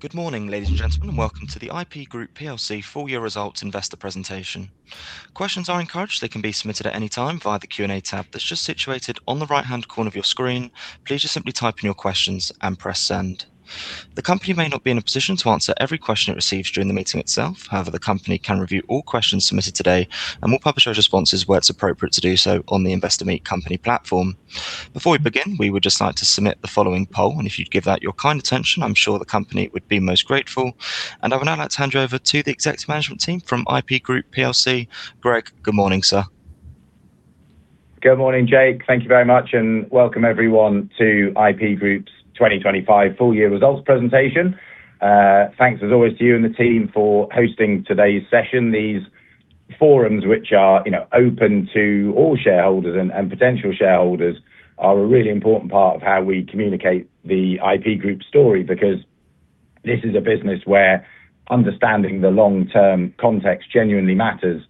Good morning, ladies and gentlemen, and welcome to the IP Group plc full-year results investor presentation. Questions are encouraged. They can be submitted at any time via the Q&A tab that's just situated on the right-hand corner of your screen. Please just simply type in your questions and press Send. The company may not be in a position to answer every question it receives during the meeting itself. However, the company can review all questions submitted today and will publish our responses where it's appropriate to do so on the Investor Meet Company platform. Before we begin, we would just like to submit the following poll, and if you'd give that your kind attention, I'm sure the company would be most grateful. I would now like to hand you over to the executive management team from IP Group plc. Greg, good morning, sir. Good morning, Jake. Thank you very much and welcome everyone to IP Group's 2025 full-year results presentation. Thanks as always to you and the team for hosting today's session. These forums, which are, you know, open to all shareholders and potential shareholders are a really important part of how we communicate the IP Group story, because this is a business where understanding the long-term context genuinely matters.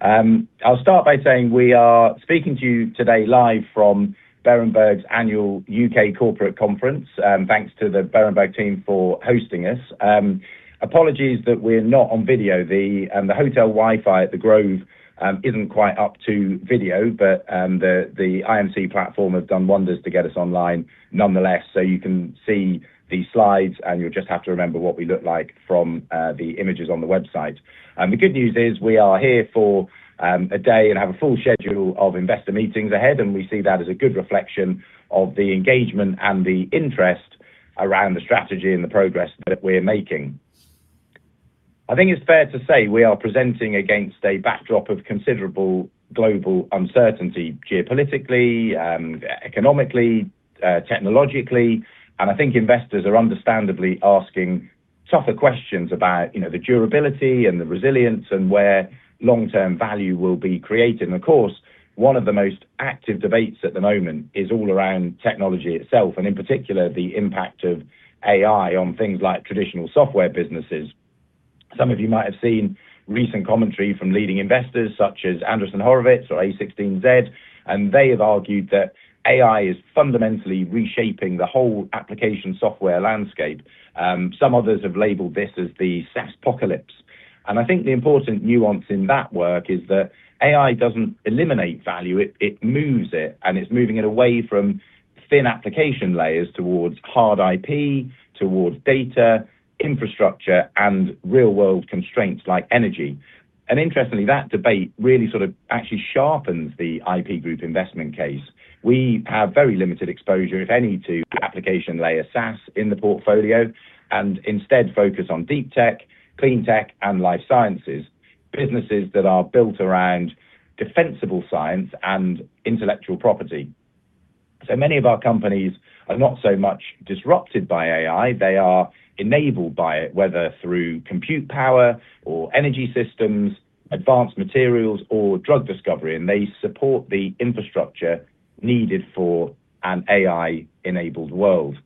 I'll start by saying we are speaking to you today live from Berenberg's Annual U.K. Corporate Conference. Thanks to the Berenberg team for hosting us. Apologies that we're not on video. The hotel Wi-Fi at The Grove isn't quite up to video, but the IMC platform has done wonders to get us online nonetheless. You can see the slides, and you'll just have to remember what we look like from the images on the website. The good news is we are here for a day and have a full schedule of investor meetings ahead, and we see that as a good reflection of the engagement and the interest around the strategy and the progress that we're making. I think it's fair to say we are presenting against a backdrop of considerable global uncertainty geopolitically, economically, technologically, and I think investors are understandably asking tougher questions about, you know, the durability and the resilience and where long-term value will be created. Of course, one of the most active debates at the moment is all around technology itself, and in particular, the impact of AI on things like traditional software businesses. Some of you might have seen recent commentary from leading investors such as Andreessen Horowitz or a16z, and they have argued that AI is fundamentally reshaping the whole application software landscape. Some others have labeled this as the SaaSpocalypse. I think the important nuance in that work is that AI doesn't eliminate value, it moves it, and it's moving it away from thin application layers towards hard IP, towards data, infrastructure, and real-world constraints like energy. Interestingly, that debate really sort of actually sharpens the IP Group investment case. We have very limited exposure, if any, to application layer SaaS in the portfolio and instead focus on deep tech, clean tech, and life sciences, businesses that are built around defensible science and intellectual property. Many of our companies are not so much disrupted by AI. They are enabled by it, whether through compute power or energy systems, advanced materials or drug discovery, and they support the infrastructure needed for an AI-enabled world.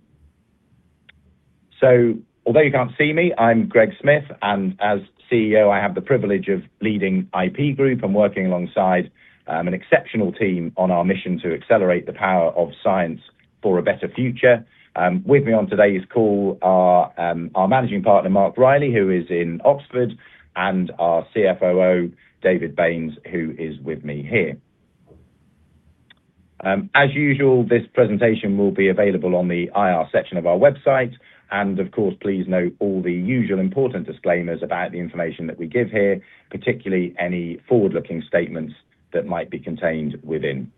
Although you can't see me, I'm Greg Smith, and as CEO, I have the privilege of leading IP Group and working alongside an exceptional team on our mission to accelerate the power of science for a better future. With me on today's call are our Managing Partner, Mark Reilly, who is in Oxford, and our CFOO, David Baynes, who is with me here. As usual, this presentation will be available on the IR section of our website. Of course, please note all the usual important disclaimers about the information that we give here, particularly any forward-looking statements that might be contained within.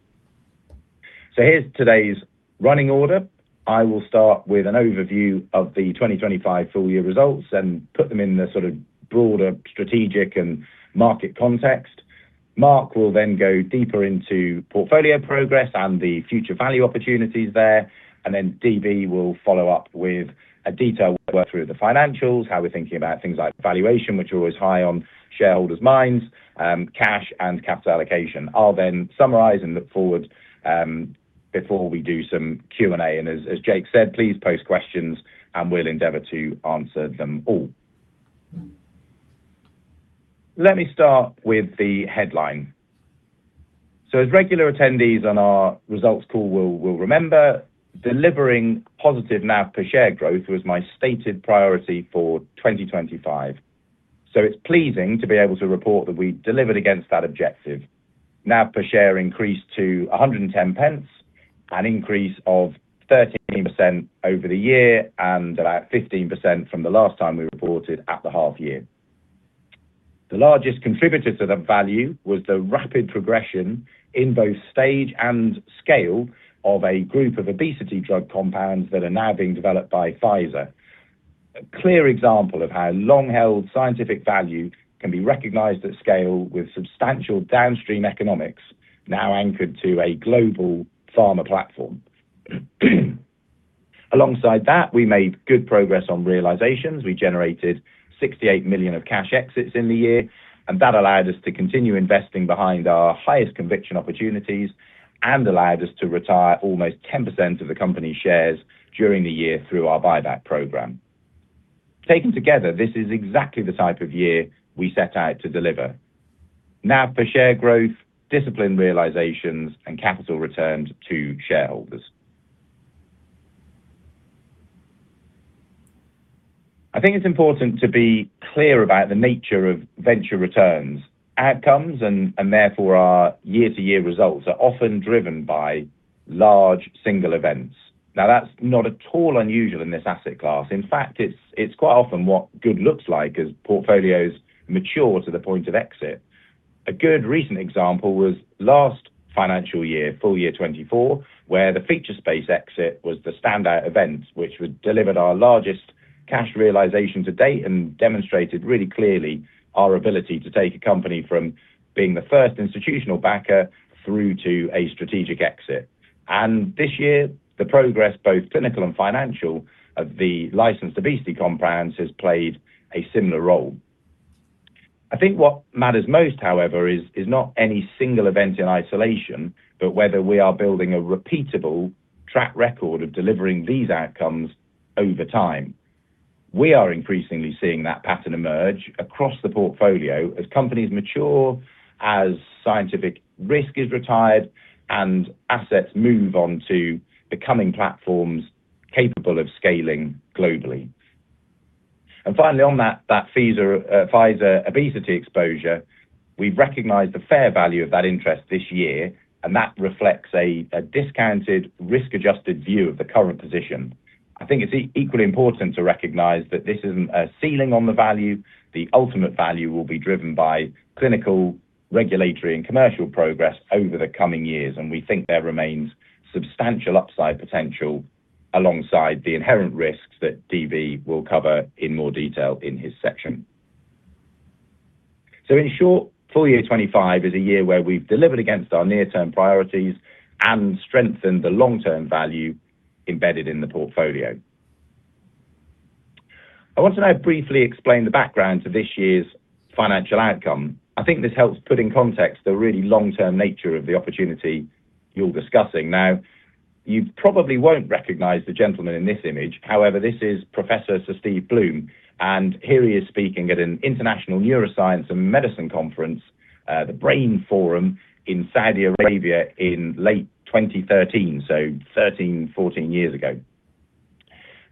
Here's today's running order. I will start with an overview of the 2025 full-year results and put them in a sort of broader strategic and market context. Mark will then go deeper into portfolio progress and the future value opportunities there. DB will follow up with a detailed work through of the financials, how we're thinking about things like valuation, which are always high on shareholders' minds, cash and capital allocation. I'll then summarize and look forward, before we do some Q&A. As Jake said, please post questions and we'll endeavor to answer them all. Let me start with the headline. As regular attendees on our results call will remember, delivering positive NAV per share growth was my stated priority for 2025. It's pleasing to be able to report that we delivered against that objective. NAV per share increased to GBP 1.10p, an increase of 13% over the year and about 15% from the last time we reported at the half year. The largest contributor to the value was the rapid progression in both stage and scale of a group of obesity drug compounds that are now being developed by Pfizer. A clear example of how long-held scientific value can be recognized at scale with substantial downstream economics now anchored to a global pharma platform. We made good progress on realizations. We generated 68 million in cash exits in the year, and that allowed us to continue investing behind our highest conviction opportunities and allowed us to retire almost 10% of the company shares during the year through our buyback program. Taken together, this is exactly the type of year we set out to deliver. Now for share growth, disciplined realizations, and capital returned to shareholders. I think it's important to be clear about the nature of venture returns. Outcomes, and therefore our year-to-year results, are often driven by large single events. Now, that's not at all unusual in this asset class. In fact, it's quite often what good looks like as portfolios mature to the point of exit. A good recent example was last financial year, full year 2024, where the Featurespace exit was the standout event, which delivered our largest cash realization to date and demonstrated really clearly our ability to take a company from being the first institutional backer through to a strategic exit. This year, the progress, both clinical and financial, of the licensed obesity compounds has played a similar role. I think what matters most, however, is not any single event in isolation, but whether we are building a repeatable track record of delivering these outcomes over time. We are increasingly seeing that pattern emerge across the portfolio as companies mature, as scientific risk is retired, and assets move on to becoming platforms capable of scaling globally. Finally, on that Pfizer obesity exposure, we've recognized the fair value of that interest this year, and that reflects a discounted risk-adjusted view of the current position. I think it's equally important to recognize that this isn't a ceiling on the value. The ultimate value will be driven by clinical, regulatory, and commercial progress over the coming years, and we think there remains substantial upside potential alongside the inherent risks that DB will cover in more detail in his section. In short, full year 2025 is a year where we've delivered against our near-term priorities and strengthened the long-term value embedded in the portfolio. I want to now briefly explain the background to this year's financial outcome. I think this helps put in context the really long-term nature of the opportunity you're discussing. Now, you probably won't recognize the gentleman in this image. However, this is Professor Sir Stephen Bloom, and here he is speaking at an international neuroscience and medicine conference, the Brain Forum in Saudi Arabia in late 2013, so 13, 14 years ago.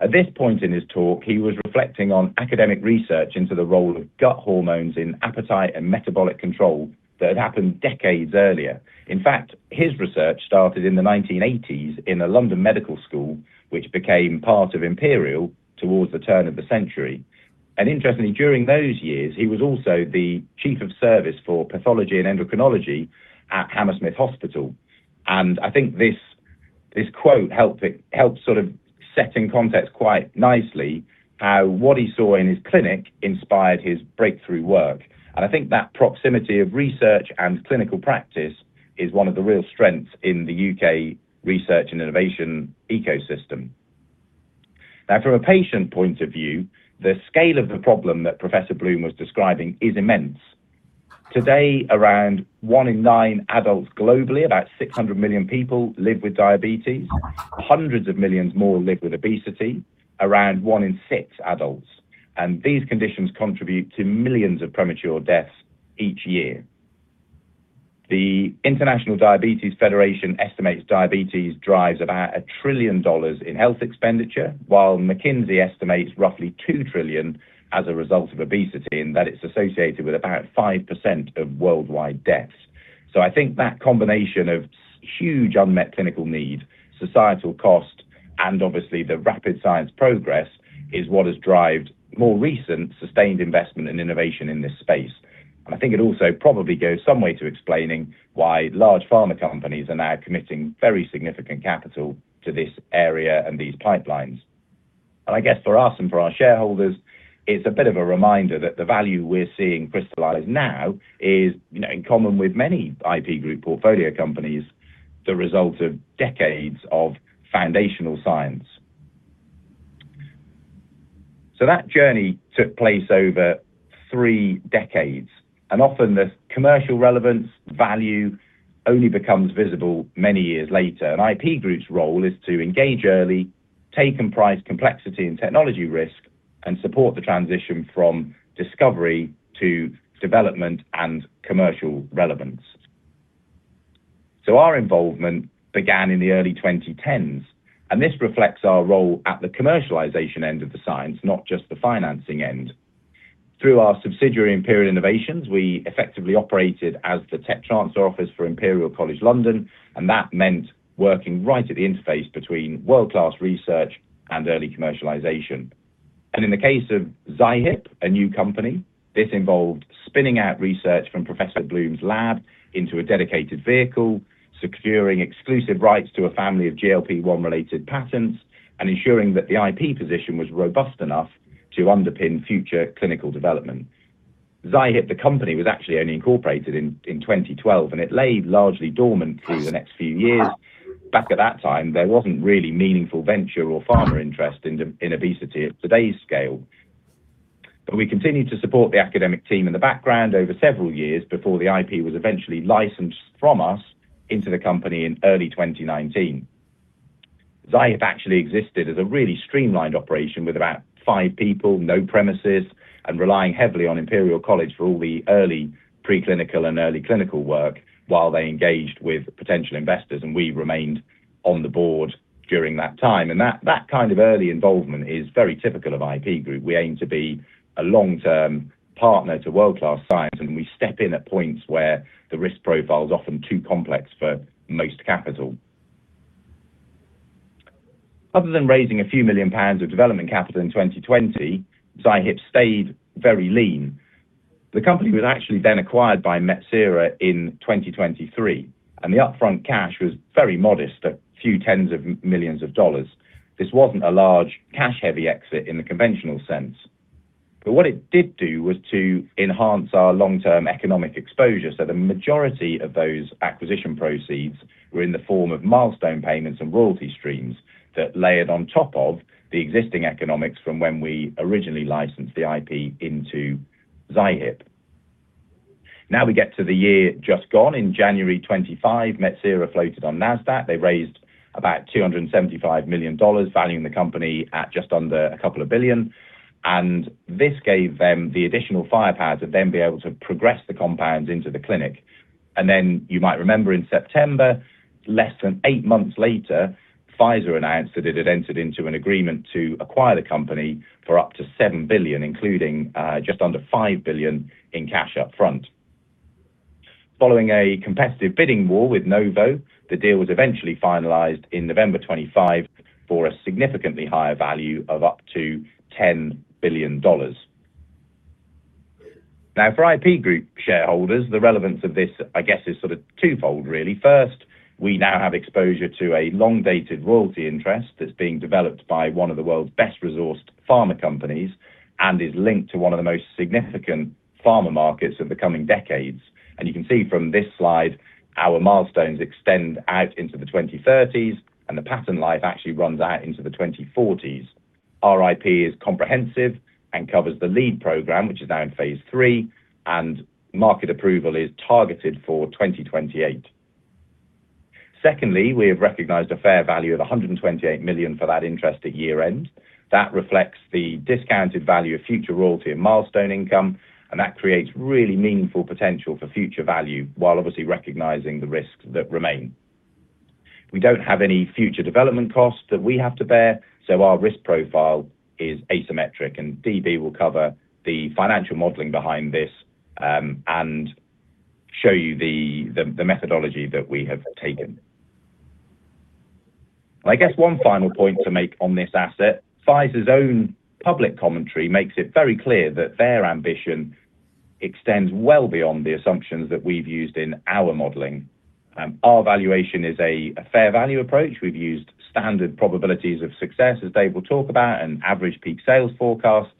At this point in his talk, he was reflecting on academic research into the role of gut hormones in appetite and metabolic control that had happened decades earlier. In fact, his research started in the 1980s in a London medical school, which became part of Imperial towards the turn of the century. Interestingly, during those years, he was also the chief of service for pathology and endocrinology at Hammersmith Hospital. I think this quote helped sort of set in context quite nicely how what he saw in his clinic inspired his breakthrough work. I think that proximity of research and clinical practice is one of the real strengths in the U.K. research and innovation ecosystem. Now from a patient point of view, the scale of the problem that Professor Bloom was describing is immense. Today, around one in nine adults globally, about 600 million people, live with diabetes. Hundreds of millions more live with obesity, around one in six adults. These conditions contribute to millions of premature deaths each year. The International Diabetes Federation estimates diabetes drives about $1 trillion in health expenditure, while McKinsey estimates roughly $2 trillion as a result of obesity, and that it's associated with about 5% of worldwide deaths. I think that combination of huge unmet clinical need, societal cost, and obviously the rapid science progress, is what has driven more recent sustained investment and innovation in this space. I think it also probably goes some way to explaining why large pharma companies are now committing very significant capital to this area and these pipelines. I guess for us and for our shareholders, it's a bit of a reminder that the value we're seeing crystallize now is, you know, in common with many IP Group portfolio companies, the result of decades of foundational science. That journey took place over three decades, and often the commercial relevance value only becomes visible many years later. IP Group's role is to engage early, take and price complexity and technology risk, and support the transition from discovery to development and commercial relevance. Our involvement began in the early 2010s, and this reflects our role at the commercialization end of the science, not just the financing end. Through our subsidiary, Imperial Innovations, we effectively operated as the tech transfer office for Imperial College London, and that meant working right at the interface between world-class research and early commercialization. In the case of Zihipp, a new company, this involved spinning out research from Professor Bloom's lab into a dedicated vehicle, securing exclusive rights to a family of GLP-1 related patents, and ensuring that the IP position was robust enough to underpin future clinical development. Zihipp, the company, was actually only incorporated in 2012, and it lay largely dormant through the next few years. Back at that time, there wasn't really meaningful venture or pharma interest in obesity at today's scale. We continued to support the academic team in the background over several years before the IP was eventually licensed from us into the company in early 2019. Zihipp actually existed as a really streamlined operation with about five people, no premises, and relying heavily on Imperial College for all the early preclinical and early clinical work while they engaged with potential investors, and we remained on the board during that time. That kind of early involvement is very typical of IP Group. We aim to be a long-term partner to world-class science, and we step in at points where the risk profile is often too complex for most capital. Other than raising a few million GBP of development capital in 2020, Zihipp stayed very lean. The company was actually then acquired by Metsera in 2023, and the upfront cash was very modest, a few tens of millions of dollars. This wasn't a large cash-heavy exit in the conventional sense. What it did do was to enhance our long-term economic exposure. The majority of those acquisition proceeds were in the form of milestone payments and royalty streams that layered on top of the existing economics from when we originally licensed the IP into Zihipp. Now we get to the year just gone. In January 2025, Metsera floated on Nasdaq. They raised about $275 million, valuing the company at just under $2 billion. This gave them the additional firepower to then be able to progress the compounds into the clinic. You might remember in September, less than eight months later, Pfizer announced that it had entered into an agreement to acquire the company for up to $7 billion, including just under $5 billion in cash up front. Following a competitive bidding war with Novo, the deal was eventually finalized in November 2025 for a significantly higher value of up to $10 billion. Now for IP Group shareholders, the relevance of this, I guess, is sort of twofold really. First, we now have exposure to a long-dated royalty interest that's being developed by one of the world's best-resourced pharma companies and is linked to one of the most significant pharma markets of the coming decades. You can see from this slide, our milestones extend out into the 2030s, and the patent life actually runs out into the 2040s. Our IP is comprehensive and covers the lead program, which is now in phase III, and market approval is targeted for 2028. Secondly, we have recognized a fair value of 128 million for that interest at year-end. That reflects the discounted value of future royalty and milestone income, and that creates really meaningful potential for future value while obviously recognizing the risks that remain. We don't have any future development costs that we have to bear, so our risk profile is asymmetric, and DB will cover the financial modeling behind this and show you the methodology that we have taken. I guess one final point to make on this asset, Pfizer's own public commentary makes it very clear that their ambition extends well beyond the assumptions that we've used in our modeling. Our valuation is a fair value approach. We've used standard probabilities of success, as Dave will talk about, and average peak sales forecasts.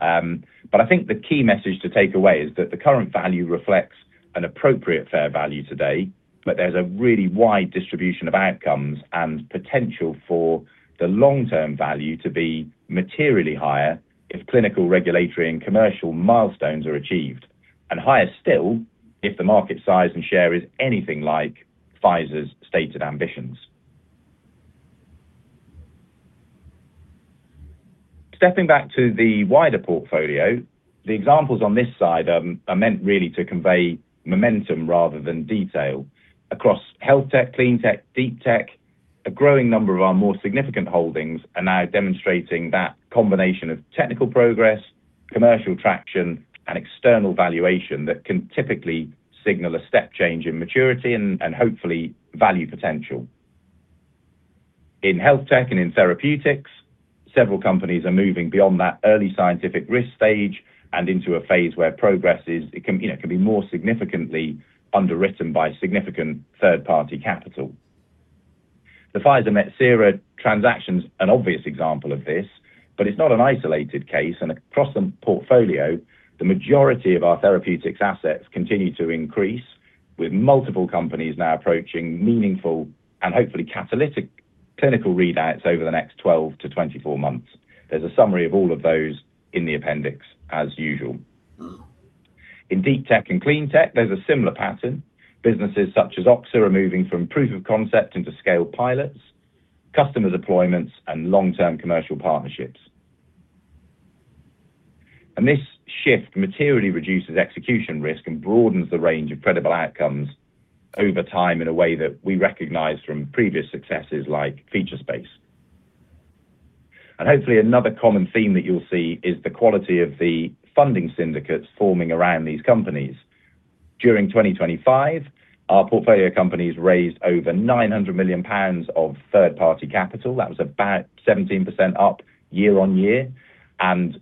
I think the key message to take away is that the current value reflects an appropriate fair value today, but there's a really wide distribution of outcomes and potential for the long-term value to be materially higher if clinical, regulatory, and commercial milestones are achieved, and higher still if the market size and share is anything like Pfizer's stated ambitions. Stepping back to the wider portfolio, the examples on this slide are meant really to convey momentum rather than detail. Across health tech, clean tech, deep tech, a growing number of our more significant holdings are now demonstrating that combination of technical progress, commercial traction, and external valuation that can typically signal a step change in maturity and hopefully value potential. In health tech and in therapeutics, several companies are moving beyond that early scientific risk stage and into a phase where progress can be more significantly underwritten by significant third-party capital. The Pfizer Metsera transaction is an obvious example of this, but it's not an isolated case. Across the portfolio, the majority of our therapeutics assets continue to increase, with multiple companies now approaching meaningful and hopefully catalytic clinical readouts over the next 12-24 months. There's a summary of all of those in the appendix as usual. In deep tech and clean tech, there's a similar pattern. Businesses such as Oxa are moving from proof of concept into scale pilots, customer deployments, and long-term commercial partnerships. This shift materially reduces execution risk and broadens the range of credible outcomes over time in a way that we recognize from previous successes like Featurespace. Hopefully another common theme that you'll see is the quality of the funding syndicates forming around these companies. During 2025, our portfolio companies raised over 900 million pounds of third-party capital. That was about 17% up year-on-year.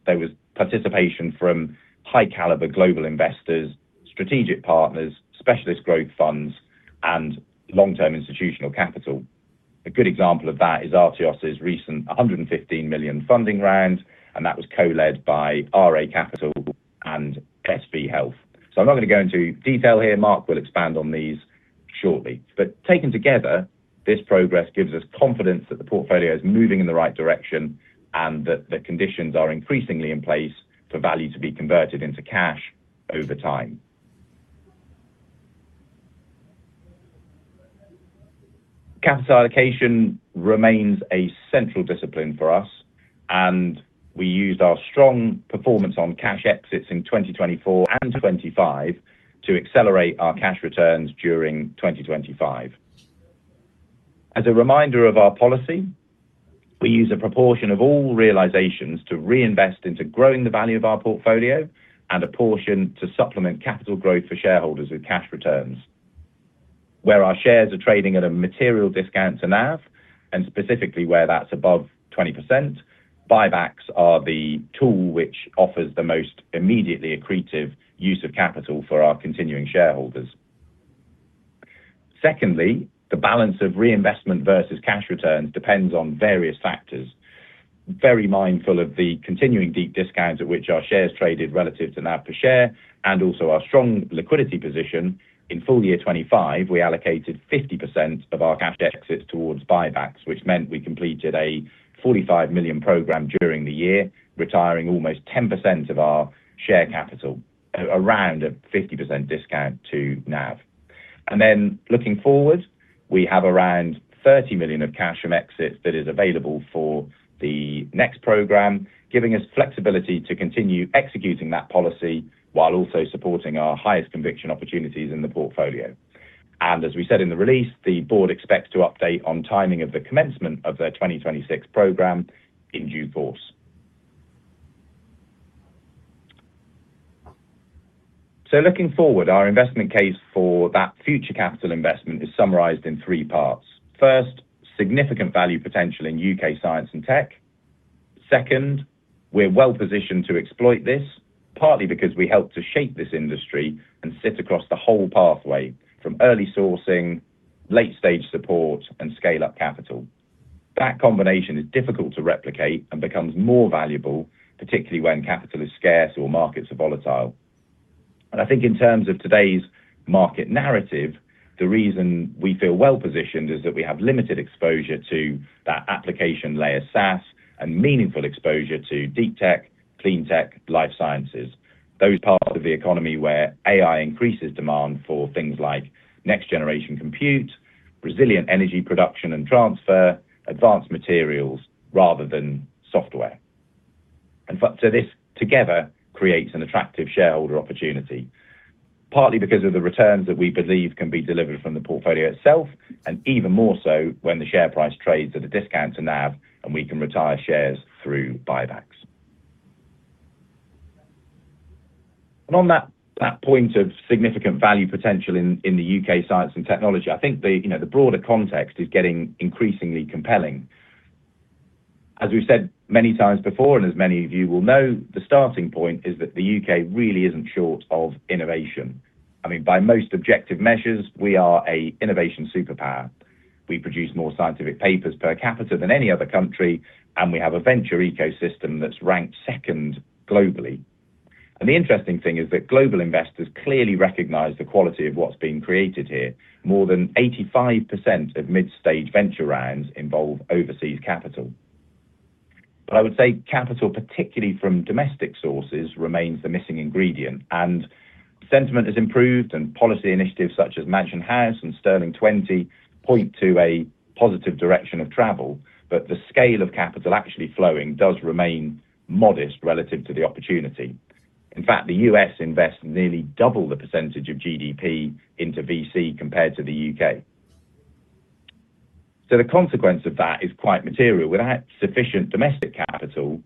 There was participation from high-caliber global investors, strategic partners, specialist growth funds, and long-term institutional capital. A good example of that is Artios' recent 115 million funding round, and that was co-led by RA Capital and SV Health. I'm not going to go into detail here. Mark will expand on these shortly. Taken together, this progress gives us confidence that the portfolio is moving in the right direction and that the conditions are increasingly in place for value to be converted into cash over time. Capital allocation remains a central discipline for us, and we used our strong performance on cash exits in 2024 and 2025 to accelerate our cash returns during 2025. As a reminder of our policy, we use a proportion of all realizations to reinvest into growing the value of our portfolio and a portion to supplement capital growth for shareholders with cash returns. Where our shares are trading at a material discount to NAV, and specifically where that's above 20%, buybacks are the tool which offers the most immediately accretive use of capital for our continuing shareholders. Secondly, the balance of reinvestment versus cash returns depends on various factors. Very mindful of the continuing deep discounts at which our shares traded relative to NAV per share and also our strong liquidity position, in full year 2025, we allocated 50% of our cash exits towards buybacks, which meant we completed a 45 million program during the year, retiring almost 10% of our share capital at around a 50% discount to NAV. Then looking forward, we have around 30 million of cash from exits that is available for the next program, giving us flexibility to continue executing that policy while also supporting our highest conviction opportunities in the portfolio. As we said in the release, the board expects to update on timing of the commencement of their 2026 program in due course. Looking forward, our investment case for that future capital investment is summarized in three parts. First, significant value potential in U.K. science and tech. Second, we're well-positioned to exploit this, partly because we helped to shape this industry and sit across the whole pathway from early sourcing, late-stage support and scale-up capital. That combination is difficult to replicate and becomes more valuable, particularly when capital is scarce or markets are volatile. I think in terms of today's market narrative, the reason we feel well-positioned is that we have limited exposure to that application layer SaaS and meaningful exposure to deep tech, clean tech, life sciences, those parts of the economy where AI increases demand for things like next-generation compute, resilient energy production and transfer, advanced materials rather than software. This together creates an attractive shareholder opportunity, partly because of the returns that we believe can be delivered from the portfolio itself, and even more so when the share price trades at a discount to NAV, and we can retire shares through buybacks. On that point of significant value potential in the U.K. science and technology, I think you know, the broader context is getting increasingly compelling. As we've said many times before, and as many of you will know, the starting point is that the U.K. really isn't short of innovation. I mean, by most objective measures, we are an innovation superpower. We produce more scientific papers per capita than any other country, and we have a venture ecosystem that's ranked second globally. The interesting thing is that global investors clearly recognize the quality of what's being created here. More than 85% of mid-stage venture rounds involve overseas capital. I would say capital, particularly from domestic sources, remains the missing ingredient. Sentiment has improved, and policy initiatives such as Mansion House and Sterling 20 point to a positive direction of travel. The scale of capital actually flowing does remain modest relative to the opportunity. In fact, the U.S. invests nearly double the percentage of GDP into VC compared to the U.K. The consequence of that is quite material. Without sufficient domestic capital,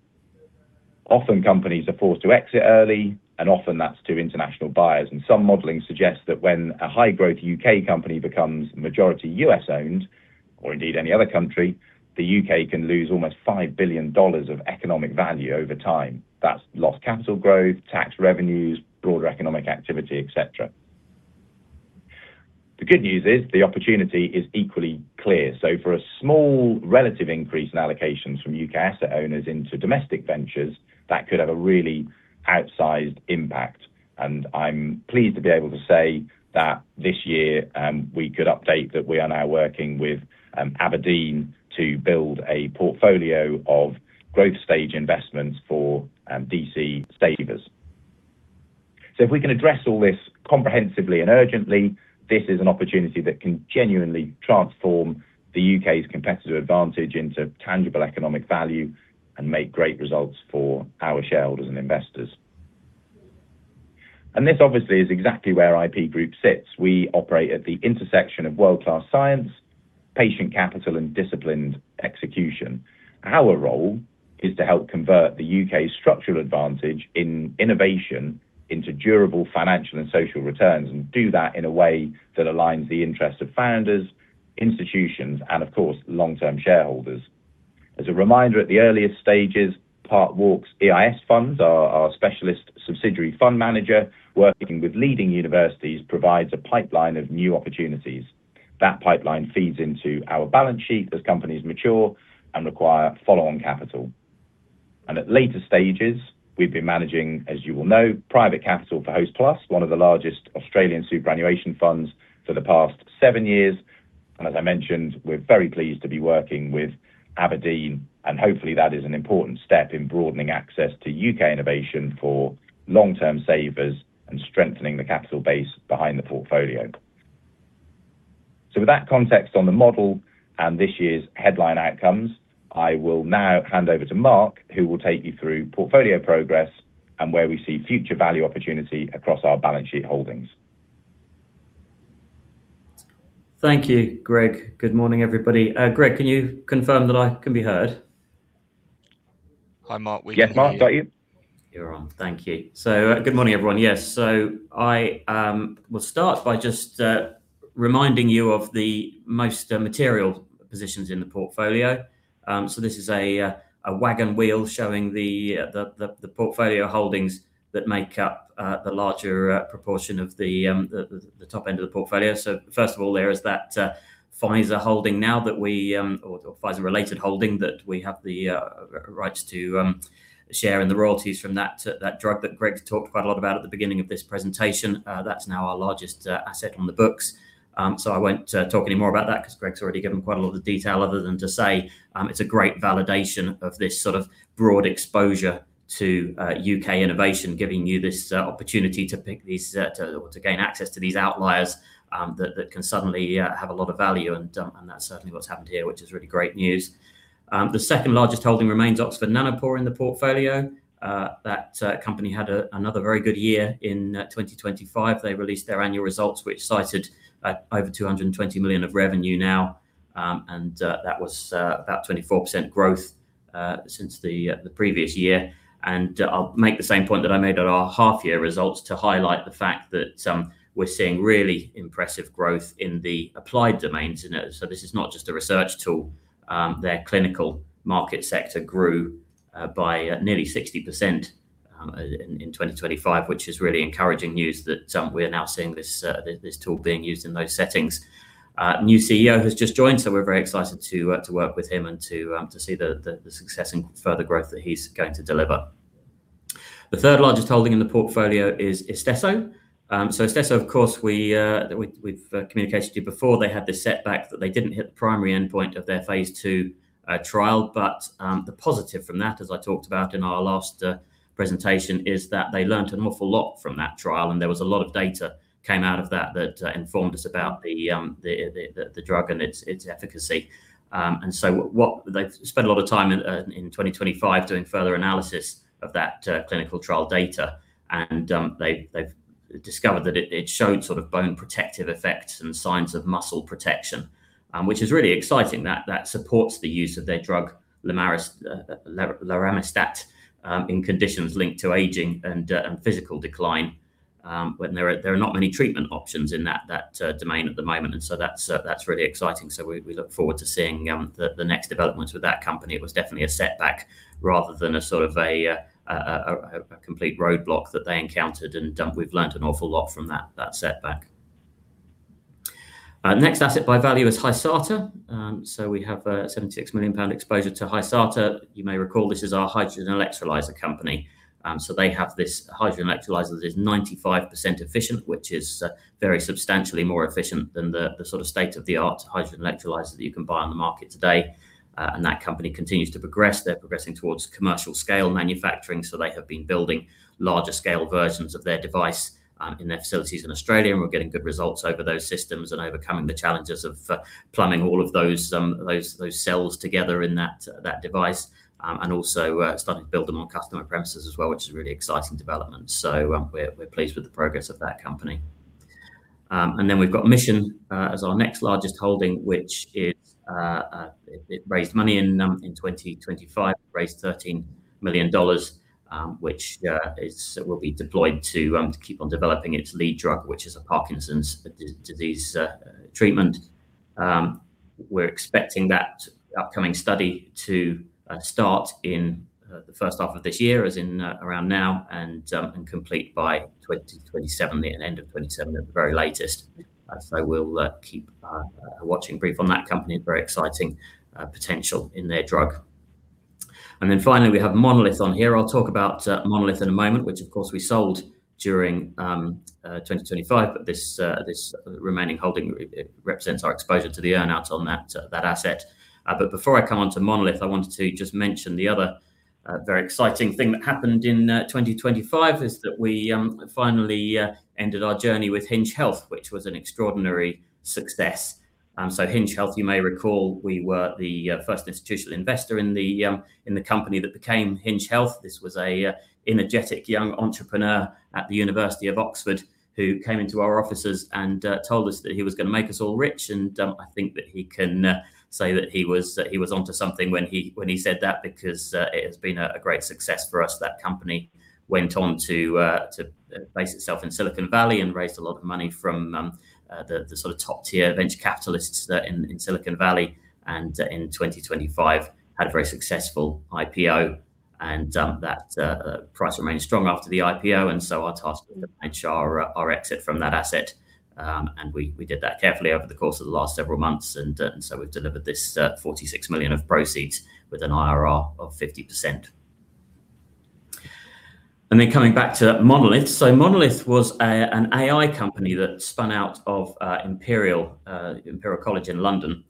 often companies are forced to exit early, and often that's to international buyers. Some modeling suggests that when a high-growth U.K. company becomes majority U.S.-owned, or indeed any other country, the U.K. can lose almost $5 billion of economic value over time. That's lost capital growth, tax revenues, broader economic activity, et cetera. The good news is the opportunity is equally clear. For a small relative increase in allocations from U.K. asset owners into domestic ventures, that could have a really outsized impact. I'm pleased to be able to say that this year, we could update that we are now working with Aberdeen to build a portfolio of growth-stage investments for DC savers. If we can address all this comprehensively and urgently, this is an opportunity that can genuinely transform the U.K.'s competitive advantage into tangible economic value and make great results for our shareholders and investors. This obviously is exactly where IP Group sits. We operate at the intersection of world-class science, patient capital and disciplined execution. Our role is to help convert the U.K.'s structural advantage in innovation into durable financial and social returns and do that in a way that aligns the interests of founders, institutions and of course, long-term shareholders. As a reminder, at the earliest stages, Parkwalk's EIS Fund, our specialist subsidiary fund manager, working with leading universities, provides a pipeline of new opportunities. That pipeline feeds into our balance sheet as companies mature and require follow-on capital. At later stages, we've been managing, as you will know, private capital for Hostplus, one of the largest Australian superannuation funds for the past seven years. As I mentioned, we're very pleased to be working with Aberdeen, and hopefully that is an important step in broadening access to U.K. innovation for long-term savers and strengthening the capital base behind the portfolio. With that context on the model and this year's headline outcomes, I will now hand over to Mark, who will take you through portfolio progress and where we see future value opportunity across our balance sheet holdings. Thank you, Greg. Good morning, everybody. Greg, can you confirm that I can be heard? Hi, Mark. We can hear you. Yes, Mark, got you. You're on. Thank you. Good morning, everyone. Yes. I will start by just reminding you of the most material positions in the portfolio. This is a wagon wheel showing the portfolio holdings that make up the larger proportion of the top end of the portfolio. First of all, there is that Pfizer holding now that we, or Pfizer-related holding, that we have the rights to share in the royalties from that drug that Greg talked quite a lot about at the beginning of this presentation. That's now our largest asset on the books. I won't talk any more about that because Greg's already given quite a lot of detail other than to say it's a great validation of this sort of broad exposure to U.K. innovation, giving you this opportunity to pick these, to gain access to these outliers that can suddenly have a lot of value. That's certainly what's happened here, which is really great news. The second largest holding remains Oxford Nanopore in the portfolio. That company had another very good year in 2025. They released their annual results, which cited over 220 million of revenue now. That was about 24% growth since the previous year. I'll make the same point that I made at our half year results to highlight the fact that we're seeing really impressive growth in the applied domains. This is not just a research tool. Their clinical market sector grew by nearly 60% in 2025, which is really encouraging news that we're now seeing this tool being used in those settings. A new CEO has just joined, so we're very excited to work with him and to see the success and further growth that he's going to deliver. The third largest holding in the portfolio is Istesso. Istesso, of course, we've communicated to you before they had this setback that they didn't hit the primary endpoint of their phase II trial. The positive from that, as I talked about in our last presentation, is that they learned an awful lot from that trial. There was a lot of data came out of that that informed us about the drug and its efficacy. What they've spent a lot of time in 2025 doing further analysis of that clinical trial data. They've discovered that it showed sort of bone protective effects and signs of muscle protection, which is really exciting that that supports the use of their drug, leramistat, in conditions linked to aging and physical decline when there are not many treatment options in that domain at the moment. That's really exciting. We look forward to seeing the next developments with that company. It was definitely a setback rather than a sort of a complete roadblock that they encountered. We've learned an awful lot from that setback. Next asset by value is Hysata. We have a 76 million pound exposure to Hysata. You may recall this is our hydrogen electrolyzer company. They have this hydrogen electrolyzer that is 95% efficient, which is very substantially more efficient than the sort of state-of-the-art hydrogen electrolyzer that you can buy on the market today. That company continues to progress. They're progressing towards commercial scale manufacturing. They have been building larger scale versions of their device in their facilities in Australia. We're getting good results over those systems and overcoming the challenges of plumbing all of those cells together in that device and also starting to build them on customer premises as well, which is a really exciting development. We're pleased with the progress of that company. We've got Mission as our next largest holding, which, it raised money in 2025, raised $13 million, which will be deployed to keep on developing its lead drug, which is a Parkinson's disease treatment. We're expecting that upcoming study to start in the first half of this year, as in around now, and complete by 2027, the end of 2027 at the very latest. We'll keep a watching brief on that company. Very exciting potential in their drug. Finally, we have Monolith on here. I'll talk about Monolith in a moment, which, of course, we sold during 2025. This remaining holding represents our exposure to the earn-out on that asset. Before I come on to Monolith, I wanted to just mention the other very exciting thing that happened in 2025 is that we finally ended our journey with Hinge Health, which was an extraordinary success. Hinge Health, you may recall, we were the first institutional investor in the company that became Hinge Health. This was an energetic young entrepreneur at the University of Oxford who came into our offices and told us that he was going to make us all rich. I think that he can say that he was on to something when he said that because it has been a great success for us. That company went on to base itself in Silicon Valley and raised a lot of money from the sort of top tier venture capitalists in Silicon Valley. In 2025 had a very successful IPO and that price remained strong after the IPO. Our task was to manage our exit from that asset. We did that carefully over the course of the last several months. We've delivered this 46 million of proceeds with an IRR of 50%. Then coming back to Monolith. Monolith was an AI company that spun out of Imperial College London.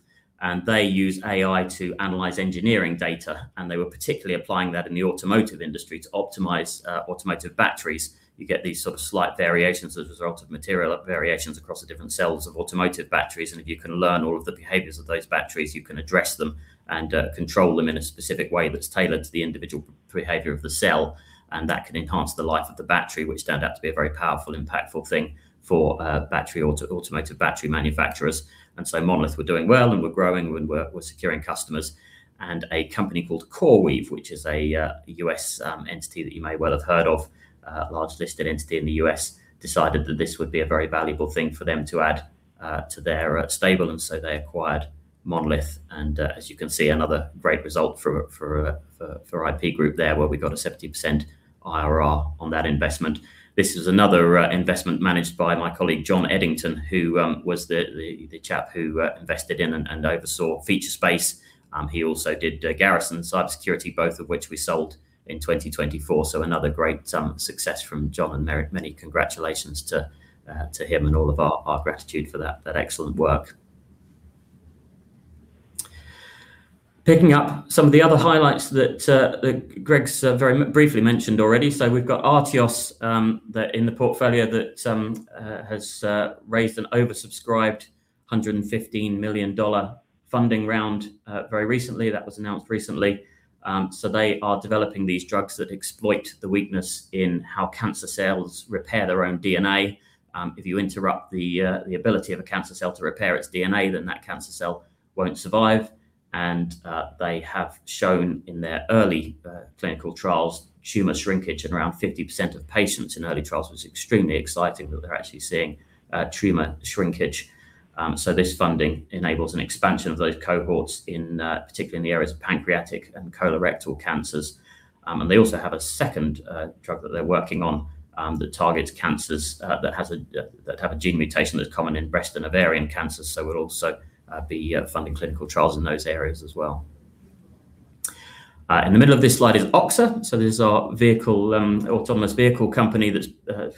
They use AI to analyze engineering data, and they were particularly applying that in the automotive industry to optimize automotive batteries. You get these sorts of slight variations as a result of material variations across the different cells of automotive batteries, and if you can learn all of the behaviors of those batteries, you can address them and control them in a specific way that's tailored to the individual behavior of the cell. That can enhance the life of the battery, which turned out to be a very powerful, impactful thing for automotive battery manufacturers. Monolith were doing well and were growing and were securing customers. A company called CoreWeave, which is a U.S. entity that you may well have heard of, a large, listed entity in the U.S., decided that this would be a very valuable thing for them to add to their stable, and so they acquired Monolith. As you can see, another great result for IP Group there where we got a 70% IRR on that investment. This is another investment managed by my colleague, Jon Edington, who was the chap who invested in and oversaw Featurespace. He also did Garrison Technology, both of which we sold in 2024. Another great success from Jon, and many congratulations to him and all of our gratitude for that excellent work. Picking up some of the other highlights that Greg's briefly mentioned already. We've got Artios that in the portfolio that has raised an oversubscribed $115 million funding round very recently. That was announced recently. They are developing these drugs that exploit the weakness in how cancer cells repair their own DNA. If you interrupt the ability of a cancer cell to repair its DNA, then that cancer cell won't survive. They have shown in their early clinical trials tumor shrinkage in around 50% of patients in early trials was extremely exciting that they're actually seeing tumor shrinkage. This funding enables an expansion of those cohorts in particularly in the areas of pancreatic and colorectal cancers. They also have a second drug that they're working on that targets cancers that have a gene mutation that's common in breast and ovarian cancers. We'll also be funding clinical trials in those areas as well. In the middle of this slide is Oxa. This is our autonomous vehicle company that's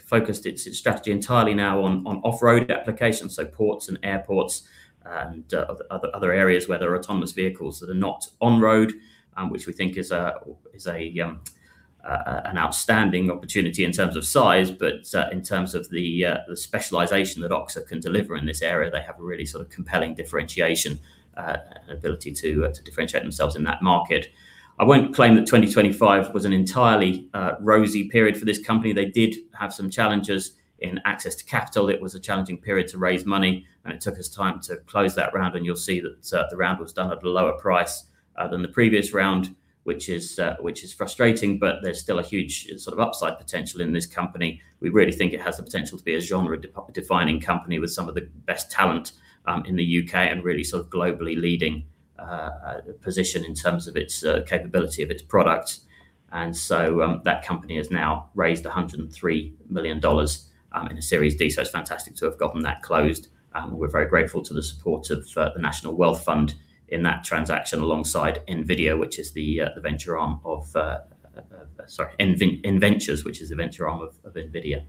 focused its strategy entirely now on off-road applications. Ports and airports and other areas where there are autonomous vehicles that are not on road, which we think is an outstanding opportunity in terms of size, but in terms of the specialization that Oxa can deliver in this area, they have a really sort of compelling differentiation ability to differentiate themselves in that market. I won't claim that 2025 was an entirely rosy period for this company. They did have some challenges in access to capital. It was a challenging period to raise money, and it took us time to close that round, and you'll see that the round was done at a lower price than the previous round, which is frustrating, but there's still a huge sort of upside potential in this company. We really think it has the potential to be a genre-defining company with some of the best talent in the U.K. and really sort of globally leading position in terms of its capability of its products. That company has now raised $103 million in a Series D. It's fantastic to have gotten that closed. We're very grateful to the support of the National Wealth Fund in that transaction alongside NVIDIA, which is the venture arm of NVentures, which is the venture arm of NVIDIA.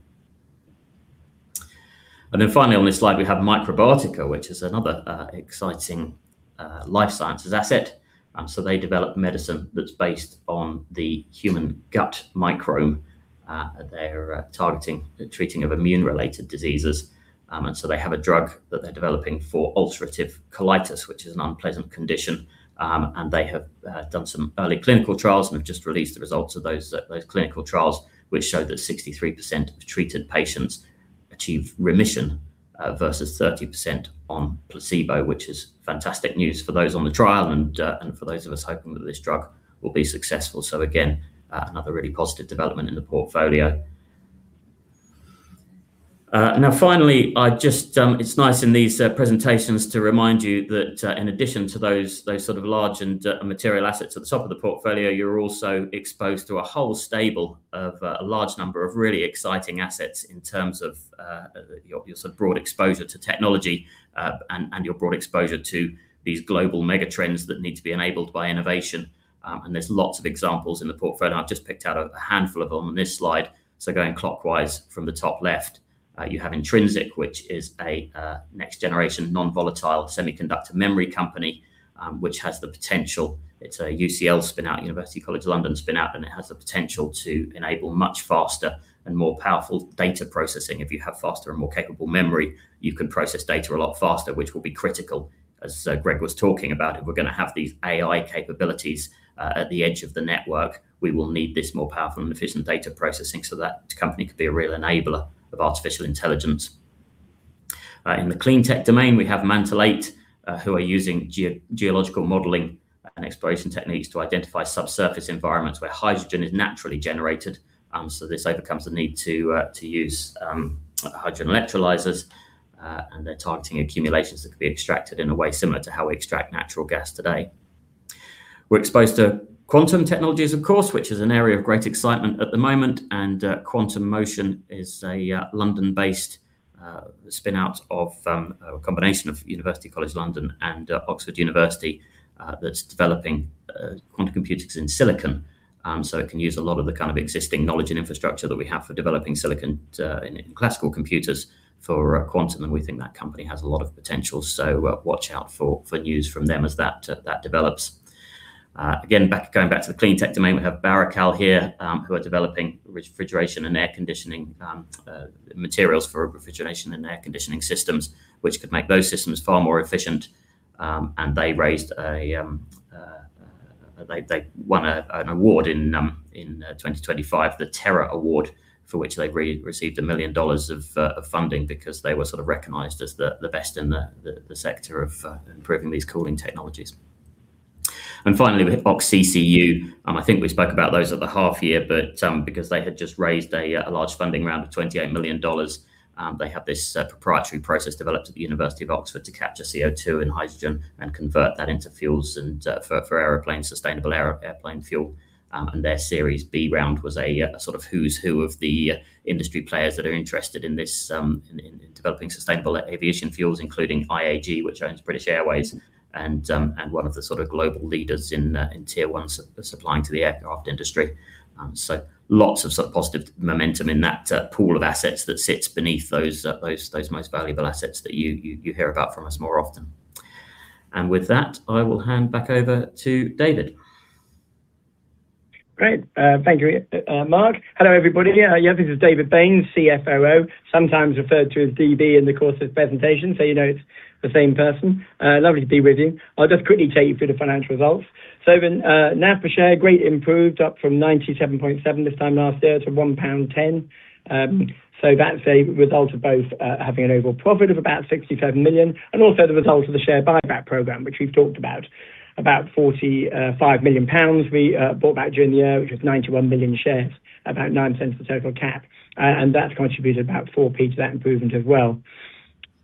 Then finally on this slide, we have Microbiotica, which is another exciting life sciences asset. They develop medicine that's based on the human gut microbiome. They're targeting the treating of immune-related diseases. They have a drug that they're developing for ulcerative colitis, which is an unpleasant condition. They have done some early clinical trials and have just released the results of those clinical trials, which show that 63% of treated patients achieve remission versus 30% on placebo, which is fantastic news for those on the trial and for those of us hoping that this drug will be successful. Again, another really positive development in the portfolio. Now finally, I just, it's nice in these presentations to remind you that, in addition to those sort of large and material assets at the top of the portfolio, you're also exposed to a whole stable of a large number of really exciting assets in terms of your sort of broad exposure to technology and your broad exposure to these global mega trends that need to be enabled by innovation. There's lots of examples in the portfolio. I've just picked out a handful of them on this slide. Going clockwise from the top left, you have Intrinsic, which is a next generation non-volatile semiconductor memory company, which has the potential. It's a UCL spin out, University College London spin out, and it has the potential to enable much faster and more powerful data processing. If you have faster and more capable memory, you can process data a lot faster, which will be critical. As Greg was talking about, if we're gonna have these AI capabilities at the edge of the network, we will need this more powerful and efficient data processing so that company could be a real enabler of artificial intelligence. In the clean tech domain, we have Mantle8, who are using geological modeling and exploration techniques to identify subsurface environments where hydrogen is naturally generated. This overcomes the need to use hydrogen electrolyzers, and they're targeting accumulations that could be extracted in a way similar to how we extract natural gas today. We're exposed to quantum technologies, of course, which is an area of great excitement at the moment. Quantum Motion is a London-based spin out of a combination of University College London and Oxford University that's developing quantum computers in silicon. It can use a lot of the kind of existing knowledge and infrastructure that we have for developing silicon in classical computers for quantum, and we think that company has a lot of potential. Watch out for news from them as that develops. Going back to the clean tech domain, we have Barocal here, who are developing refrigeration and air conditioning materials for refrigeration and air conditioning systems, which could make those systems far more efficient. They won an award in 2025, the TERA-Award, for which they received $1 million of funding because they were sort of recognized as the best in the sector of improving these cooling technologies. Finally, we have OXCCU. I think we spoke about those at the half year, but because they had just raised a large funding round of $28 million. They have this proprietary process developed at the University of Oxford to capture CO2 and hydrogen and convert that into fuels and for airplanes, sustainable airplane fuel. Their Series B round was a sort of who's who of the industry players that are interested in this, in developing sustainable aviation fuels, including IAG, which owns British Airways and one of the sort of global leaders in tier one supplying to the aircraft industry. Lots of sort of positive momentum in that pool of assets that sits beneath those most valuable assets that you hear about from us more often. With that, I will hand back over to David. Great. Thank you, Mark. Hello, everybody. Yeah, this is David Baynes, CFO, sometimes referred to as DB in the course of presentation, so you know it's the same person. Lovely to be with you. I'll just quickly take you through the financial results. NAV per share greatly improved up from 0.977 this time last year to 1.10 pound. That's a result of both, having an overall profit of about 67 million and also the result of the share buyback program, which we've talked about. About 45 million pounds we bought back during the year, which was 91 million shares, about 9% of total cap. That contributed about 0.04 to that improvement as well.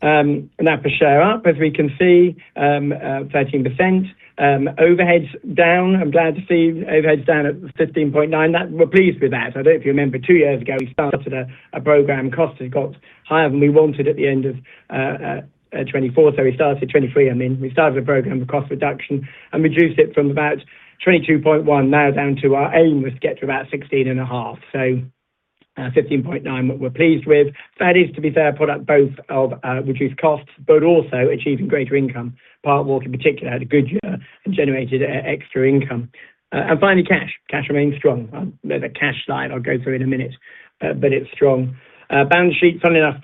NAV per share up, as we can see, 13%. Overheads down. I'm glad to see overheads down at 15.9%. We're pleased with that. I don't know if you remember two years ago, we started a program. Costs got higher than we wanted at the end of 2024. We started 2023, I mean. We started a program of cost reduction and reduced it from about 22.1% now down to our aim was to get to about 16.5%. 15.9%, what we're pleased with. That is, to be fair, product of both reduced costs, but also achieving greater income. Parkwalk in particular had a good year and generated extra income. Finally, cash. Cash remains strong. There's a cash slide I'll go through in a minute, but it's strong. Balance sheet, funnily enough,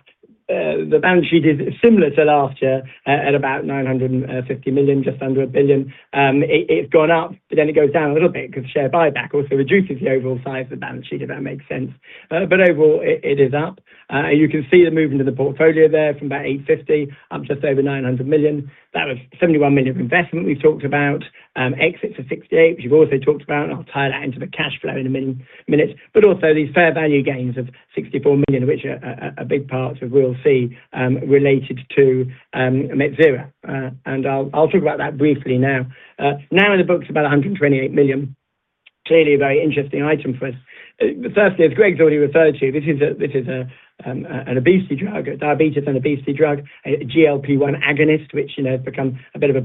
the balance sheet is similar to last year, at about 950 million, just under 1 billion. It's gone up, but then it goes down a little bit 'cause share buyback also reduces the overall size of the balance sheet, if that makes sense. Overall, it is up. You can see the movement of the portfolio there from about 850 million, up just over 900 million. That was 71 million of investment we talked about. Exits of 68 million, which we've also talked about, and I'll tie that into the cash flow in a minute. Also, these fair value gains of 64 million, which are a big part of what we'll see, related to Metsera. I'll talk about that briefly now. Now in the books, about 128 million. Clearly a very interesting item for us. Firstly, as Greg's already referred to, this is an obesity drug, a diabetes and obesity drug, a GLP-1 agonist, which, you know, has become a bit of a